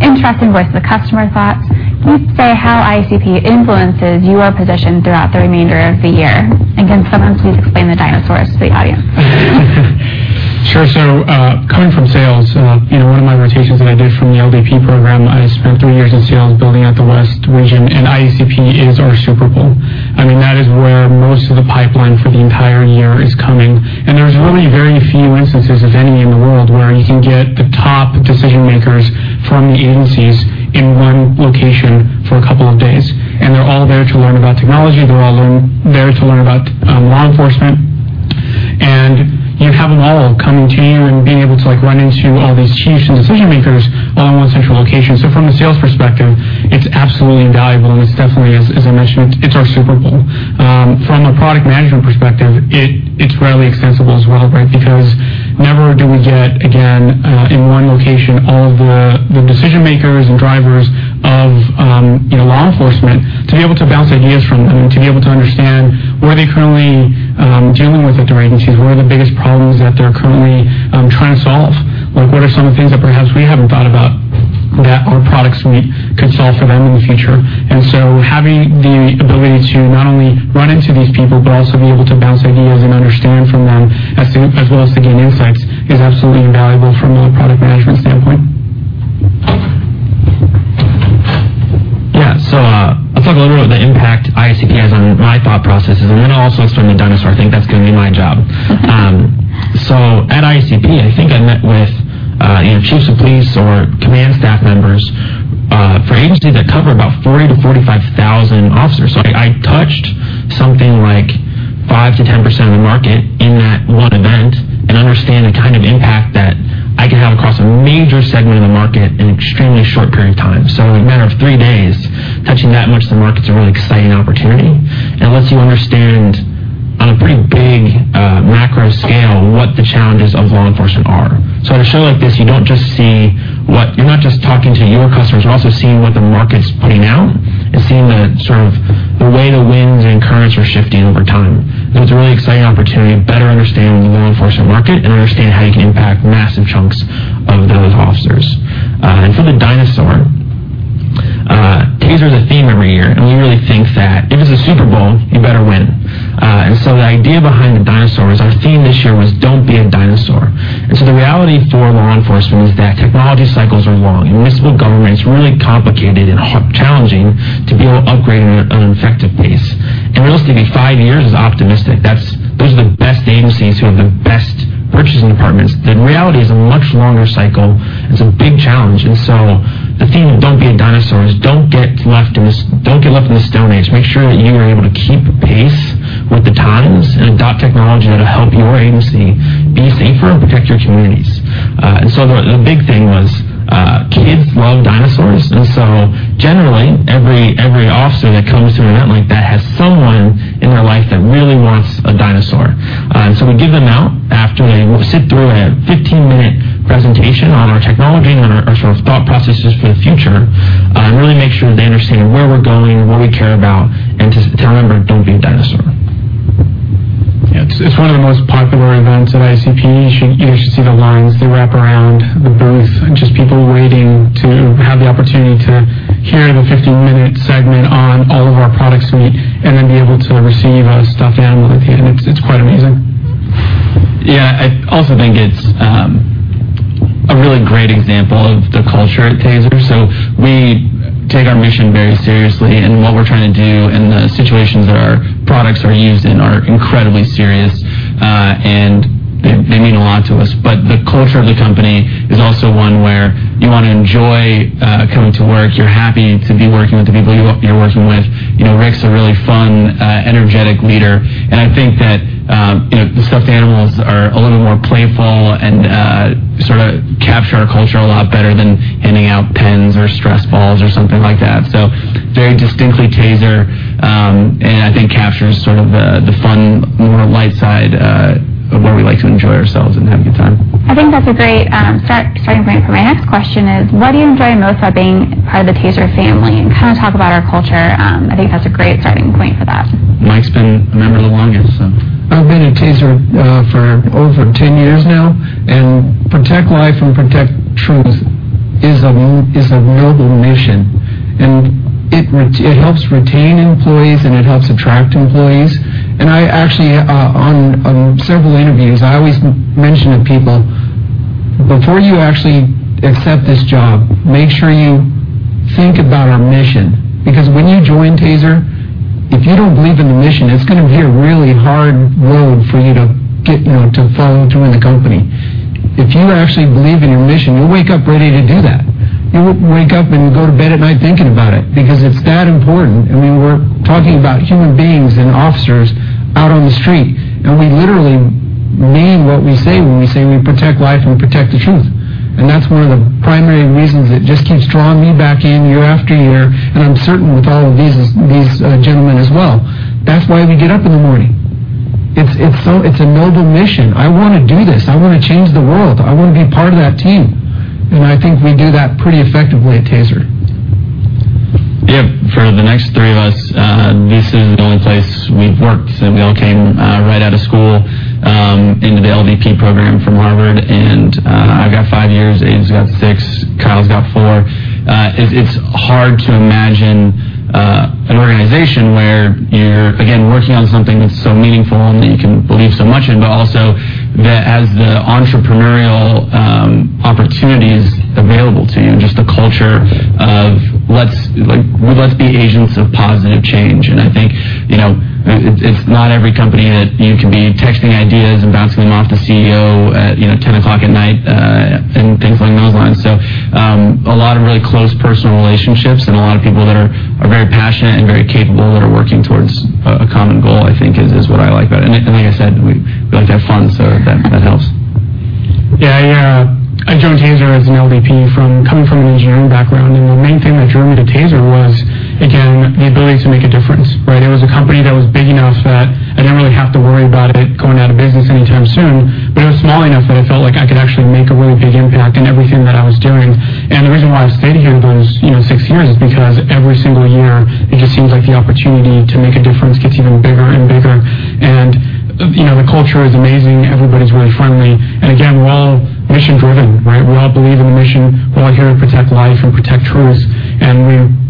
Speaker 10: interesting voices of customer thoughts. Can you say how IACP influences your position throughout the remainder of the year? And can someone please explain the dinosaurs to the audience?
Speaker 12: Sure. So coming from sales, one of my rotations that I did from the LDP program, I spent three years in sales building out the West region. And IACP is our Super Bowl. I mean, that is where most of the pipeline for the entire year is coming. And there's really very few instances, if any, in the world where you can get the top decision-makers from the agencies in one location for a couple of days. And they're all there to learn about technology. They're all there to learn about law enforcement. And you have them all coming to you and being able to run into all these chiefs and decision-makers all in one central location. So from a sales perspective, it's absolutely invaluable. And it's definitely, as I mentioned, it's our Super Bowl. From a product management perspective, it's really extensible as well, right? Because never do we get, again, in one location, all of the decision-makers and drivers of law enforcement to be able to bounce ideas from them and to be able to understand where they're currently dealing with their agencies, where are the biggest problems that they're currently trying to solve? What are some of the things that perhaps we haven't thought about that our product suite could solve for them in the future? And so having the ability to not only run into these people, but also be able to bounce ideas and understand from them as well as to gain insights is absolutely invaluable from a product management standpoint.
Speaker 11: Yeah. So I'll talk a little bit about the impact IACP has on my thought processes. And then I'll also explain the dinosaur. I think that's going to be my job. So at IACP, I think I met with chiefs of police or command staff members for agencies that cover about 40,000 to 45,000 officers. So I touched something like 5%-10% of the market in that one event and understand the kind of impact that I can have across a major segment of the market in an extremely short period of time. So in a matter of 3 days, touching that much of the market is a really exciting opportunity. And it lets you understand on a pretty big macro scale what the challenges of law enforcement are. So at a show like this, you don't just see what you're not just talking to your customers. You're also seeing what the market's putting out and seeing sort of the way the winds and currents are shifting over time. It's a really exciting opportunity to better understand the law enforcement market and understand how you can impact massive chunks of those officers. For the dinosaur, TASER is a theme every year. We really think that if it's a Super Bowl, you better win. So the idea behind the dinosaurs, our theme this year was, "Don't be a dinosaur." The reality for law enforcement is that technology cycles are long. Municipal government is really complicated and challenging to be able to upgrade at an effective pace. Realistically, five years is optimistic. Those are the best agencies who have the best purchasing departments. The reality is a much longer cycle. It's a big challenge. And so the theme of "Don't be a dinosaur" is don't get left in the stone age. Make sure that you are able to keep pace with the times and adopt technology that'll help your agency be safer and protect your communities. And so the big thing was kids love dinosaurs. And so generally, every officer that comes to an event like that has someone in their life that really wants a dinosaur. And so we give them out after they sit through a 15-minute presentation on our technology and our sort of thought processes for the future and really make sure that they understand where we're going, what we care about, and to remember, "Don't be a dinosaur.
Speaker 12: Yeah. It's one of the most popular events at IACP. You should see the lines. They wrap around the booth and just people waiting to have the opportunity to hear the 15-minute segment on all of our products and then be able to receive stuff handed to them. It's quite amazing.
Speaker 11: Yeah. I also think it's a really great example of the culture at TASER. So we take our mission very seriously. And what we're trying to do and the situations that our products are used in are incredibly serious. And they mean a lot to us. But the culture of the company is also one where you want to enjoy coming to work. You're happy to be working with the people you're working with. Rick's a really fun, energetic leader. And I think that the stuffed animals are a little more playful and sort of capture our culture a lot better than handing out pens or stress balls or something like that. So very distinctly TASER. And I think captures sort of the fun, more light side of where we like to enjoy ourselves and have a good time.
Speaker 10: I think that's a great starting point for my next question is, what do you enjoy most about being part of the TASER family and kind of talk about our culture? I think that's a great starting point for that.
Speaker 11: Mike's been a member of the longest, so.
Speaker 14: I've been at TASER for over 10 years now. Protect life and protect truth is a noble mission. It helps retain employees, and it helps attract employees. I actually, on several interviews, I always mention to people, "Before you actually accept this job, make sure you think about our mission." Because when you join TASER, if you don't believe in the mission, it's going to be a really hard road for you to follow through in the company. If you actually believe in your mission, you'll wake up ready to do that. You won't wake up and go to bed at night thinking about it because it's that important. I mean, we're talking about human beings and officers out on the street. We literally mean what we say when we say we protect life and protect the truth. That's one of the primary reasons that just keeps drawing me back in year after year. I'm certain with all of these gentlemen as well. That's why we get up in the morning. It's a noble mission. I want to do this. I want to change the world. I want to be part of that team. I think we do that pretty effectively at TASER.
Speaker 12: Yeah. For the next three of us, this is the only place we've worked. So we all came right out of school into the LDP program from Harvard. And I've got five years. Abhi's got six. Kyle's got four. It's hard to imagine an organization where you're, again, working on something that's so meaningful and that you can believe so much in, but also that has the entrepreneurial opportunities available to you and just the culture of, "Let's be agents of positive change." And I think it's not every company that you can be texting ideas and bouncing them off the CEO at 10:00 P.M. and things along those lines. So a lot of really close personal relationships and a lot of people that are very passionate and very capable that are working towards a common goal, I think, is what I like about it. And like I said, we like to have fun. So that helps. Yeah. I joined TASER as an LDP coming from an engineering background. And the main thing that drew me to TASER was, again, the ability to make a difference, right? It was a company that was big enough that I didn't really have to worry about it going out of business anytime soon. But it was small enough that I felt like I could actually make a really big impact in everything that I was doing. And the reason why I stayed here those six years is because every single year, it just seems like the opportunity to make a difference gets even bigger and bigger. And the culture is amazing. Everybody's really friendly. And again, we're all mission-driven, right? We all believe in the mission. We're all here to protect life and protect truth. And we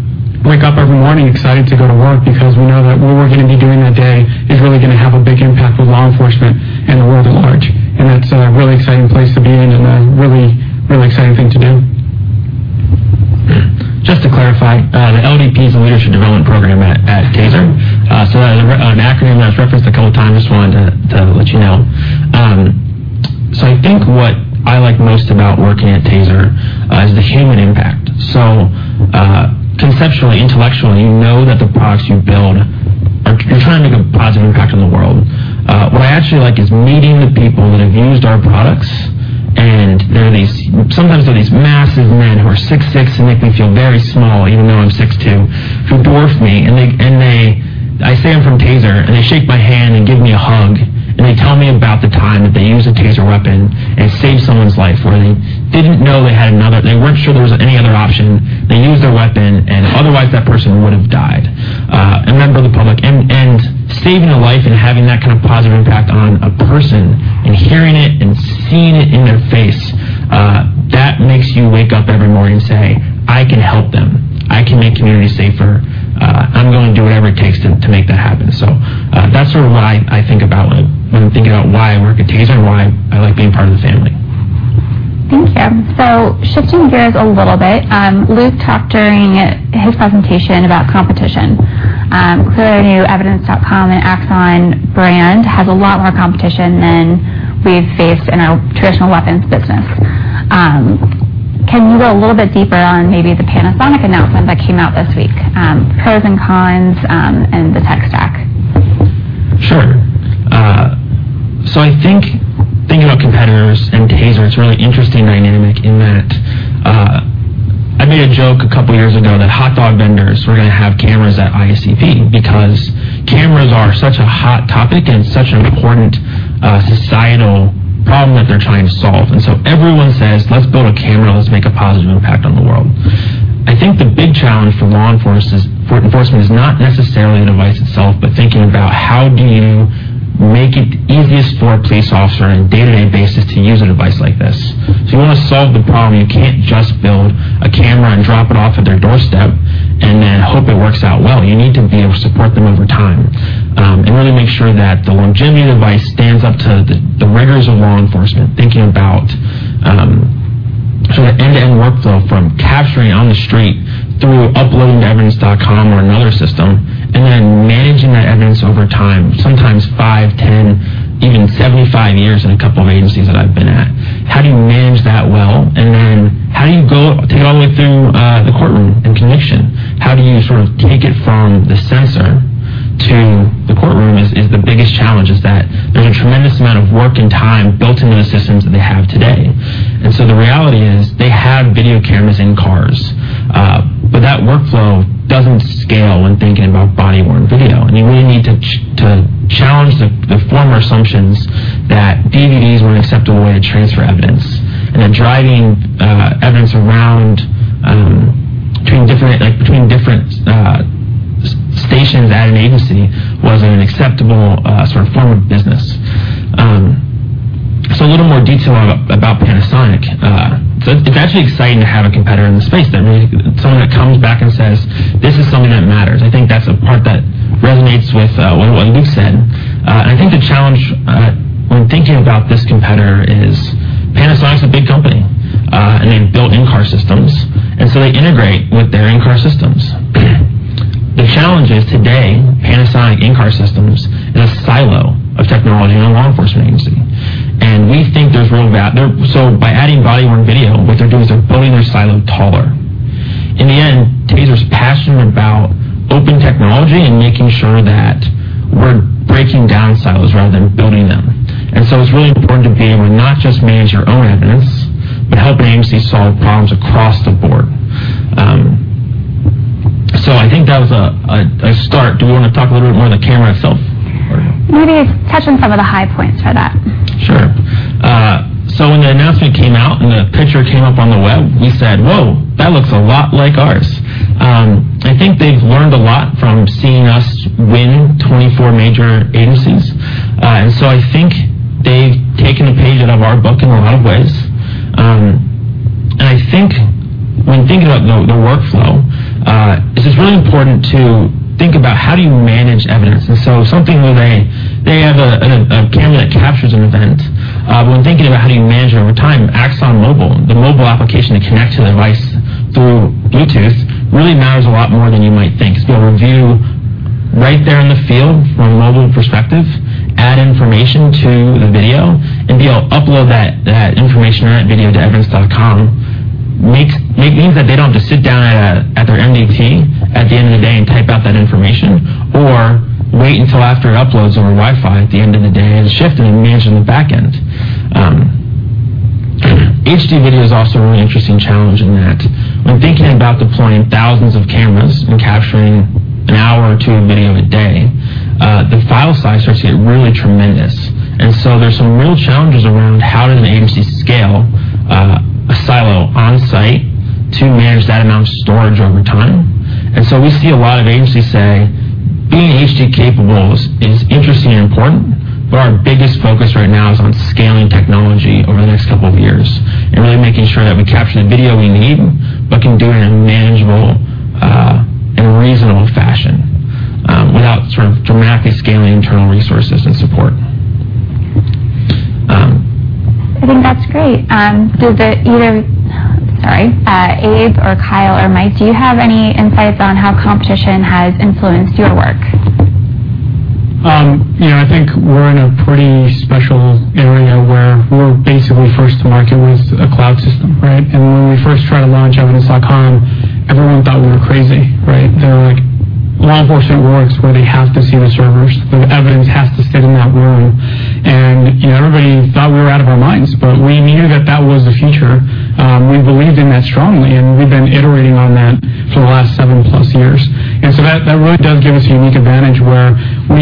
Speaker 12: wake up every morning excited to go to work because we know that what we're going to be doing that day is really going to have a big impact with law enforcement and the world at large. And that's a really exciting place to be in and a really, really exciting thing to do.
Speaker 11: Just to clarify, the LDP is a leadership development program at TASER. So that is an acronym that was referenced a couple of times. Just wanted to let you know. So I think what I like most about working at TASER is the human impact. So conceptually, intellectually, you know that the products you build, you're trying to make a positive impact on the world. What I actually like is meeting the people that have used our products. And sometimes they're these massive men who are 6'6" and make me feel very small, even though I'm 6'2", who dwarf me. And I say I'm from TASER, and they shake my hand and give me a hug. And they tell me about the time that they used a TASER weapon and saved someone's life where they didn't know they had another. They weren't sure there was any other option. They used their weapon, and otherwise, that person would have died. A member of the public. Saving a life and having that kind of positive impact on a person and hearing it and seeing it in their face, that makes you wake up every morning and say, "I can help them. I can make communities safer. I'm going to do whatever it takes to make that happen." So that's sort of why I think about when I'm thinking about why I work at TASER and why I like being part of the family.
Speaker 10: Thank you. So shifting gears a little bit, Luke talked during his presentation about competition. Clearly, Evidence.com and Axon brand has a lot more competition than we've faced in our traditional weapons business. Can you go a little bit deeper on maybe the Panasonic announcement that came out this week, pros and cons, and the tech stack?
Speaker 11: Sure. So I think thinking about competitors and TASER, it's a really interesting dynamic in that I made a joke a couple of years ago that hot dog vendors were going to have cameras at IACP because cameras are such a hot topic and such an important societal problem that they're trying to solve. And so everyone says, "Let's build a camera. Let's make a positive impact on the world." I think the big challenge for law enforcement is not necessarily the device itself, but thinking about how do you make it easiest for a police officer on a day-to-day basis to use a device like this. So you want to solve the problem. You can't just build a camera and drop it off at their doorstep and then hope it works out well. You need to be able to support them over time and really make sure that the longevity of the device stands up to the rigors of law enforcement, thinking about sort of the end-to-end workflow from capturing on the street through uploading to Evidence.com or another system and then managing that evidence over time, sometimes five, 10, even 75 years in a couple of agencies that I've been at. How do you manage that well? And then how do you go take it all the way through the courtroom and conviction? How do you sort of take it from the sensor to the courtroom is the biggest challenge is that there's a tremendous amount of work and time built into the systems that they have today. And so the reality is they have video cameras in cars. But that workflow doesn't scale when thinking about body-worn video. You really need to challenge the former assumptions that DVDs were an acceptable way to transfer evidence and that driving evidence around between different stations at an agency wasn't an acceptable sort of form of business. A little more detail about Panasonic. It's actually exciting to have a competitor in the space that really someone that comes back and says, "This is something that matters." I think that's a part that resonates with what Luke said. I think the challenge when thinking about this competitor is Panasonic's a big company, and they've built in-car systems. And so they integrate with their in-car systems. The challenge is today, Panasonic in-car systems is a silo of technology in a law enforcement agency. And we think there's real value. So by adding body-worn video, what they're doing is they're building their silo taller. In the end, TASER's passionate about open technology and making sure that we're breaking down silos rather than building them. So it's really important to be able to not just manage your own evidence, but help an agency solve problems across the board. I think that was a start. Do we want to talk a little bit more on the camera itself?
Speaker 10: Maybe touch on some of the high points for that.
Speaker 11: Sure. So when the announcement came out and the picture came up on the web, we said, "Whoa, that looks a lot like ours." I think they've learned a lot from seeing us win 24 major agencies. And so I think they've taken a page out of our book in a lot of ways. And I think when thinking about the workflow, it's just really important to think about how do you manage evidence. And so something where they have a camera that captures an event, when thinking about how do you manage it over time, Evidence Mobile, the mobile application to connect to the device through Bluetooth, really matters a lot more than you might think. It's being able to view right there in the field from a mobile perspective, add information to the video, and be able to upload that information or that video to Evidence.com. It means that they don't have to sit down at their MDT at the end of the day and type out that information or wait until after it uploads over Wi-Fi at the end of the day and shift and manage on the back end. HD video is also a really interesting challenge in that when thinking about deploying thousands of cameras and capturing an hour or two of video a day, the file size starts to get really tremendous. And so there's some real challenges around how does an agency scale a silo onsite to manage that amount of storage over time. And so we see a lot of agencies say, "Being HD capable is interesting and important, but our biggest focus right now is on scaling technology over the next couple of years and really making sure that we capture the video we need, but can do it in a manageable and reasonable fashion without sort of dramatically scaling internal resources and support.
Speaker 10: I think that's great. Does either, sorry, Abe, or Kyle, or Mike, do you have any insights on how competition has influenced your work?
Speaker 12: I think we're in a pretty special area where we're basically first to market with a cloud system, right? And when we first tried to launch Evidence.com, everyone thought we were crazy, right? They were like, "Law enforcement works where they have to see the servers. The evidence has to sit in that room." And everybody thought we were out of our minds, but we knew that that was the future. We believed in that strongly, and we've been iterating on that for the last 7+ years. And so that really does give us a unique advantage where we,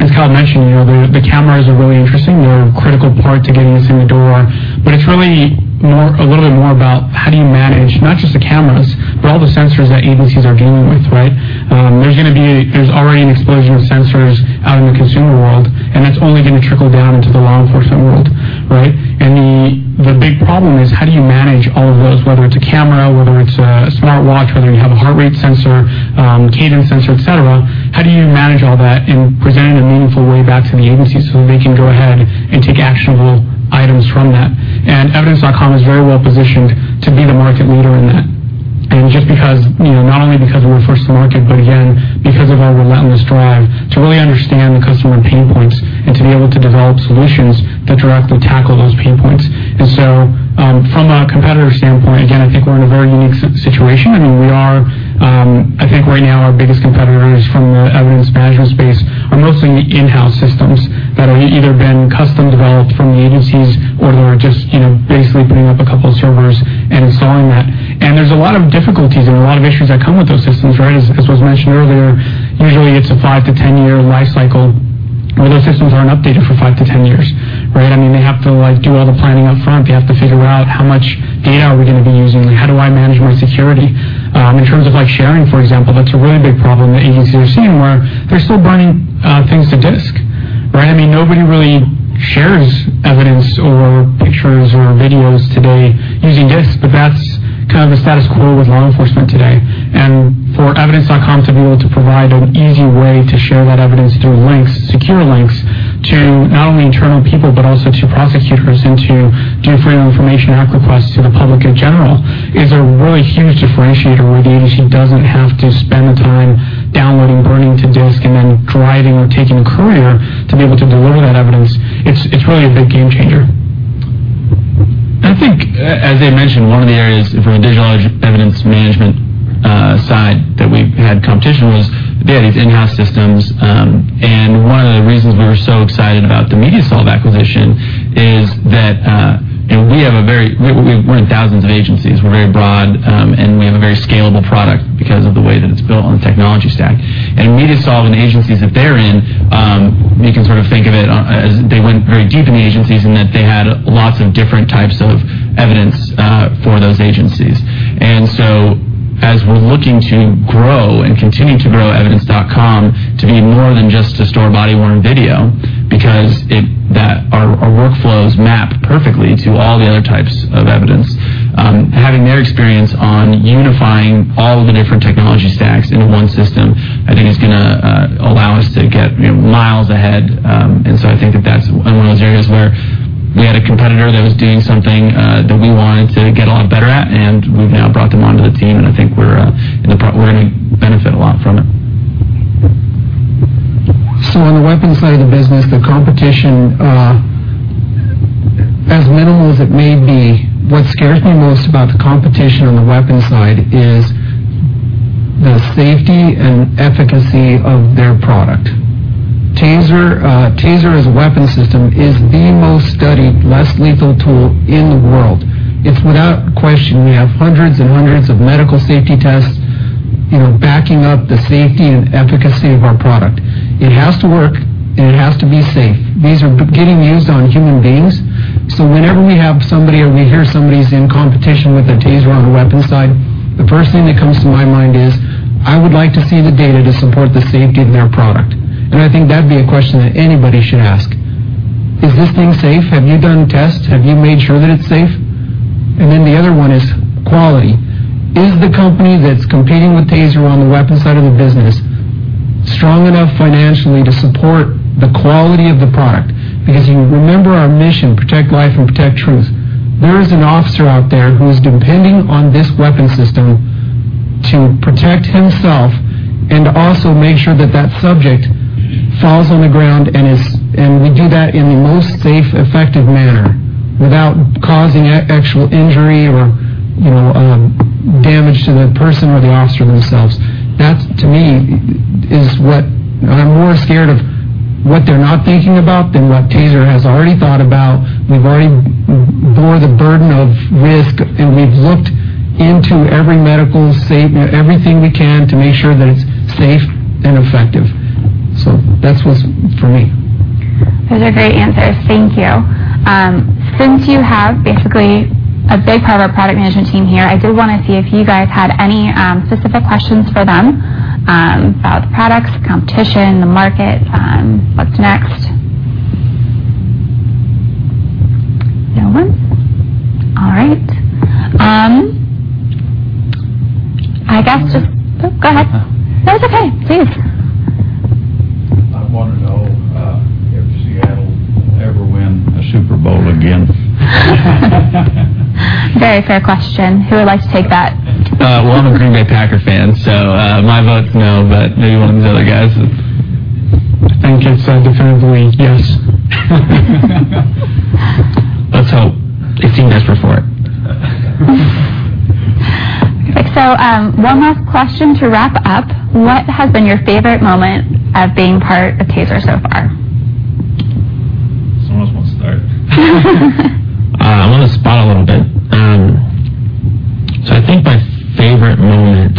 Speaker 12: as Kyle mentioned, the cameras are really interesting. They're a critical part to getting us in the door. But it's really a little bit more about how do you manage not just the cameras, but all the sensors that agencies are dealing with, right? There's going to be, there's already an explosion of sensors out in the consumer world, and that's only going to trickle down into the law enforcement world, right? And the big problem is how do you manage all of those, whether it's a camera, whether it's a smartwatch, whether you have a heart rate sensor, cadence sensor, etc.? How do you manage all that and present it in a meaningful way back to the agencies so that they can go ahead and take actionable items from that? And Evidence.com is very well positioned to be the market leader in that. And just because, not only because we're first to market, but again, because of our relentless drive to really understand the customer pain points and to be able to develop solutions that directly tackle those pain points. And so from a competitor standpoint, again, I think we're in a very unique situation. I mean, we are—I think right now our biggest competitors from the evidence management space are mostly in-house systems that have either been custom developed from the agencies or they're just basically putting up a couple of servers and installing that. And there's a lot of difficulties and a lot of issues that come with those systems, right? As was mentioned earlier, usually it's a 5-10-year life cycle where those systems aren't updated for 5-10 years, right? I mean, they have to do all the planning upfront. They have to figure out how much data are we going to be using? How do I manage my security? In terms of sharing, for example, that's a really big problem that agencies are seeing where they're still burning things to disc, right? I mean, nobody really shares evidence or pictures or videos today using disc, but that's kind of the status quo with law enforcement today. And for Evidence.com to be able to provide an easy way to share that evidence through links, secure links to not only internal people, but also to prosecutors and to do Freedom of Information Act requests to the public in general is a really huge differentiator where the agency doesn't have to spend the time downloading, burning to disc, and then driving or taking a courier to be able to deliver that evidence. It's really a big game changer.
Speaker 11: I think, as they mentioned, one of the areas for the digital evidence management side that we've had competition was they had these in-house systems. One of the reasons we were so excited about the MediaSolv acquisition is that we have a very—we're in thousands of agencies. We're very broad, and we have a very scalable product because of the way that it's built on the technology stack. MediaSolv and the agencies that they're in, you can sort of think of it as they went very deep in the agencies and that they had lots of different types of evidence for those agencies. As we're looking to grow and continue to grow Evidence.com to be more than just a store of body-worn video because our workflows map perfectly to all the other types of evidence, having their experience on unifying all of the different technology stacks into one system, I think, is going to allow us to get miles ahead. I think that that's one of those areas where we had a competitor that was doing something that we wanted to get a lot better at, and we've now brought them onto the team. I think we're going to benefit a lot from it.
Speaker 14: So on the weapons side of the business, the competition, as minimal as it may be, what scares me most about the competition on the weapons side is the safety and efficacy of their product. TASER as a weapon system is the most studied, less lethal tool in the world. It's without question. We have hundreds and hundreds of medical safety tests backing up the safety and efficacy of our product. It has to work, and it has to be safe. These are getting used on human beings. So whenever we have somebody or we hear somebody's in competition with a TASER on the weapons side, the first thing that comes to my mind is, "I would like to see the data to support the safety of their product." And I think that'd be a question that anybody should ask. Is this thing safe? Have you done tests? Have you made sure that it's safe? And then the other one is quality. Is the company that's competing with TASER on the weapons side of the business strong enough financially to support the quality of the product? Because you remember our mission, protect life and protect truth. There is an officer out there who is depending on this weapon system to protect himself and also make sure that that subject falls on the ground, and we do that in the most safe, effective manner without causing actual injury or damage to the person or the officer themselves. That, to me, is what I'm more scared of, what they're not thinking about than what TASER has already thought about. We've already borne the burden of risk, and we've looked into every medical, everything we can to make sure that it's safe and effective. So that's what's for me.
Speaker 10: Those are great answers. Thank you. Since you have basically a big part of our product management team here, I did want to see if you guys had any specific questions for them about the products, competition, the market, what's next? No one? All right. I guess just, oh, go ahead. No, it's okay. Please.
Speaker 5: I want to know if Seattle will ever win a Super Bowl again?
Speaker 10: Very fair question. Who would like to take that?
Speaker 11: Well, I'm a Green Bay Packers fan, so my vote's no, but maybe one of these other guys.
Speaker 12: I think it's definitely yes.
Speaker 11: Let's hope. It's team desperate for it.
Speaker 10: So one last question to wrap up. What has been your favorite moment of being part of TASER so far?
Speaker 11: Someone else wants to start.
Speaker 12: I want to spot a little bit. So I think my favorite moment,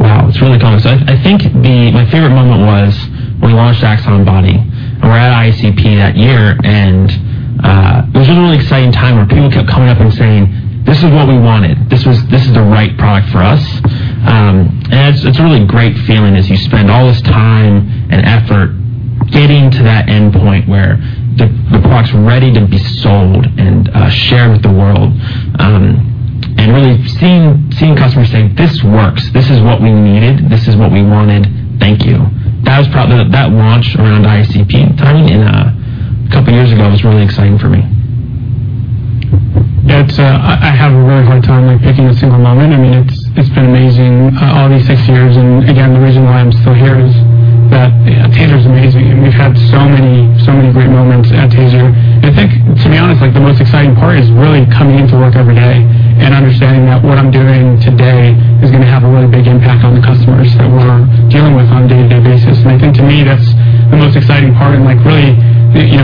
Speaker 12: wow, it's really coming. So I think my favorite moment was when we launched Axon Body. We were at IACP that year, and it was a really exciting time where people kept coming up and saying, "This is what we wanted. This is the right product for us." And it's a really great feeling as you spend all this time and effort getting to that endpoint where the product's ready to be sold and shared with the world and really seeing customers say, "This works. This is what we needed. This is what we wanted. Thank you." That launch around IACP and timing a couple of years ago was really exciting for me.
Speaker 14: I have a really hard time picking a single moment. I mean, it's been amazing all these six years. Again, the reason why I'm still here is that TASER's amazing. We've had so many great moments at TASER. I think, to be honest, the most exciting part is really coming into work every day and understanding that what I'm doing today is going to have a really big impact on the customers that we're dealing with on a day-to-day basis. I think, to me, that's the most exciting part. Really,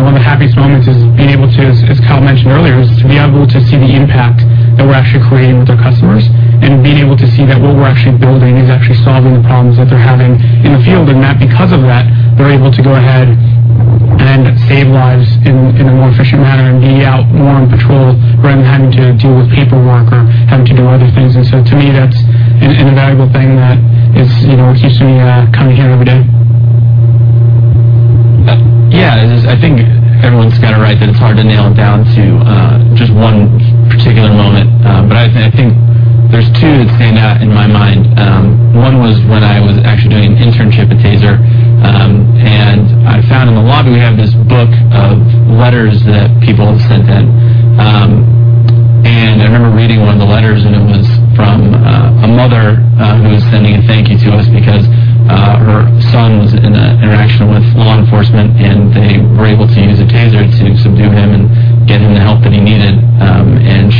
Speaker 14: one of the happiest moments is being able to, as Kyle mentioned earlier, is to be able to see the impact that we're actually creating with our customers and being able to see that what we're actually building is actually solving the problems that they're having in the field. That because of that, they're able to go ahead and save lives in a more efficient manner and be out more on patrol rather than having to deal with paperwork or having to do other things. So, to me, that's an invaluable thing that keeps me coming here every day.
Speaker 11: Yeah. I think everyone's kind of right that it's hard to nail it down to just one particular moment. But I think there's 2 that stand out in my mind. One was when I was actually doing an internship at TASER, and I found in the lobby, we have this book of letters that people have sent in. And I remember reading one of the letters, and it was from a mother who was sending a thank you to us because her son was in an interaction with law enforcement, and they were able to use a TASER to subdue him and get him the help that he needed.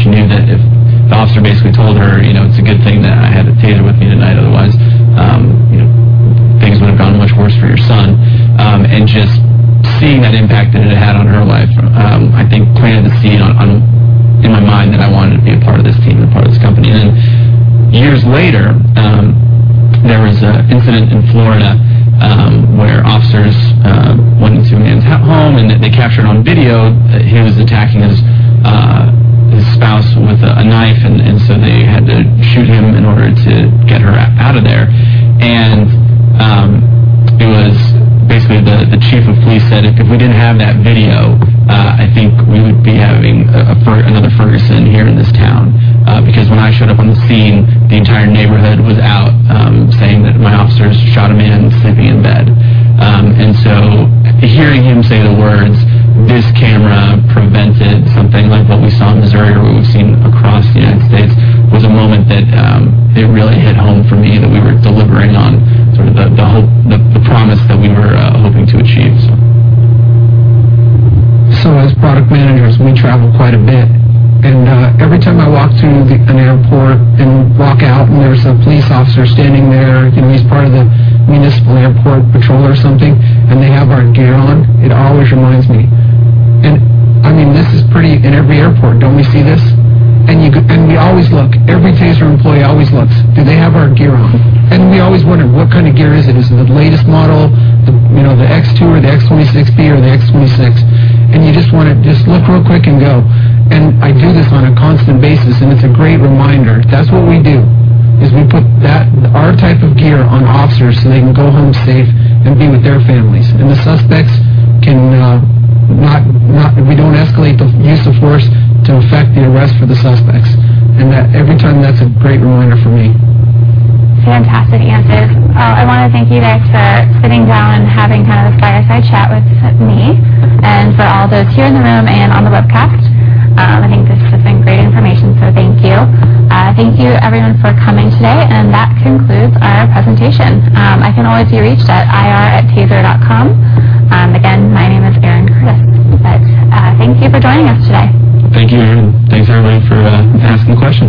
Speaker 11: She knew that if the officer basically told her, "It's a good thing that I had a TASER with me tonight, otherwise things would have gone much worse for your son." Just seeing that impact that it had on her life, I think planted the seed in my mind that I wanted to be a part of this team and a part of this company. Then years later, there was an incident in Florida where officers wanted to see a man's home, and they captured on video who was attacking his spouse with a knife. So they had to shoot him in order to get her out of there. And basically, the chief of police said, "If we didn't have that video, I think we would be having another Ferguson here in this town." Because when I showed up on the scene, the entire neighborhood was out saying that my officers shot a man sleeping in bed. And so hearing him say the words, "This camera prevented something like what we saw in Missouri or what we've seen across the United States," was a moment that really hit home for me that we were delivering on sort of the promise that we were hoping to achieve, so.
Speaker 12: So as product managers, we travel quite a bit. And every time I walk through an airport and walk out, and there's a police officer standing there, he's part of the municipal airport patrol or something, and they have our gear on, it always reminds me. And I mean, this is pretty in every airport. Don't we see this? And we always look. Every TASER employee always looks. Do they have our gear on? And we always wonder, "What kind of gear is it? Is it the latest model, the X2 or the X26P or the X26?" And you just want to just look real quick and go. And I do this on a constant basis, and it's a great reminder. That's what we do, is we put our type of gear on officers so they can go home safe and be with their families. The suspects cannot—we don't escalate the use of force to effect the arrest for the suspects. Every time, that's a great reminder for me.
Speaker 10: Fantastic answers. I want to thank you guys for sitting down and having kind of a fireside chat with me and for all those here in the room and on the webcast. I think this has been great information, so thank you. Thank you, everyone, for coming today. That concludes our presentation. I can always be reached at ir@taser.com. Again, my name is Erin Curtis, but thank you for joining us today.
Speaker 12: Thank you, Erin. Thanks, everybody, for asking questions.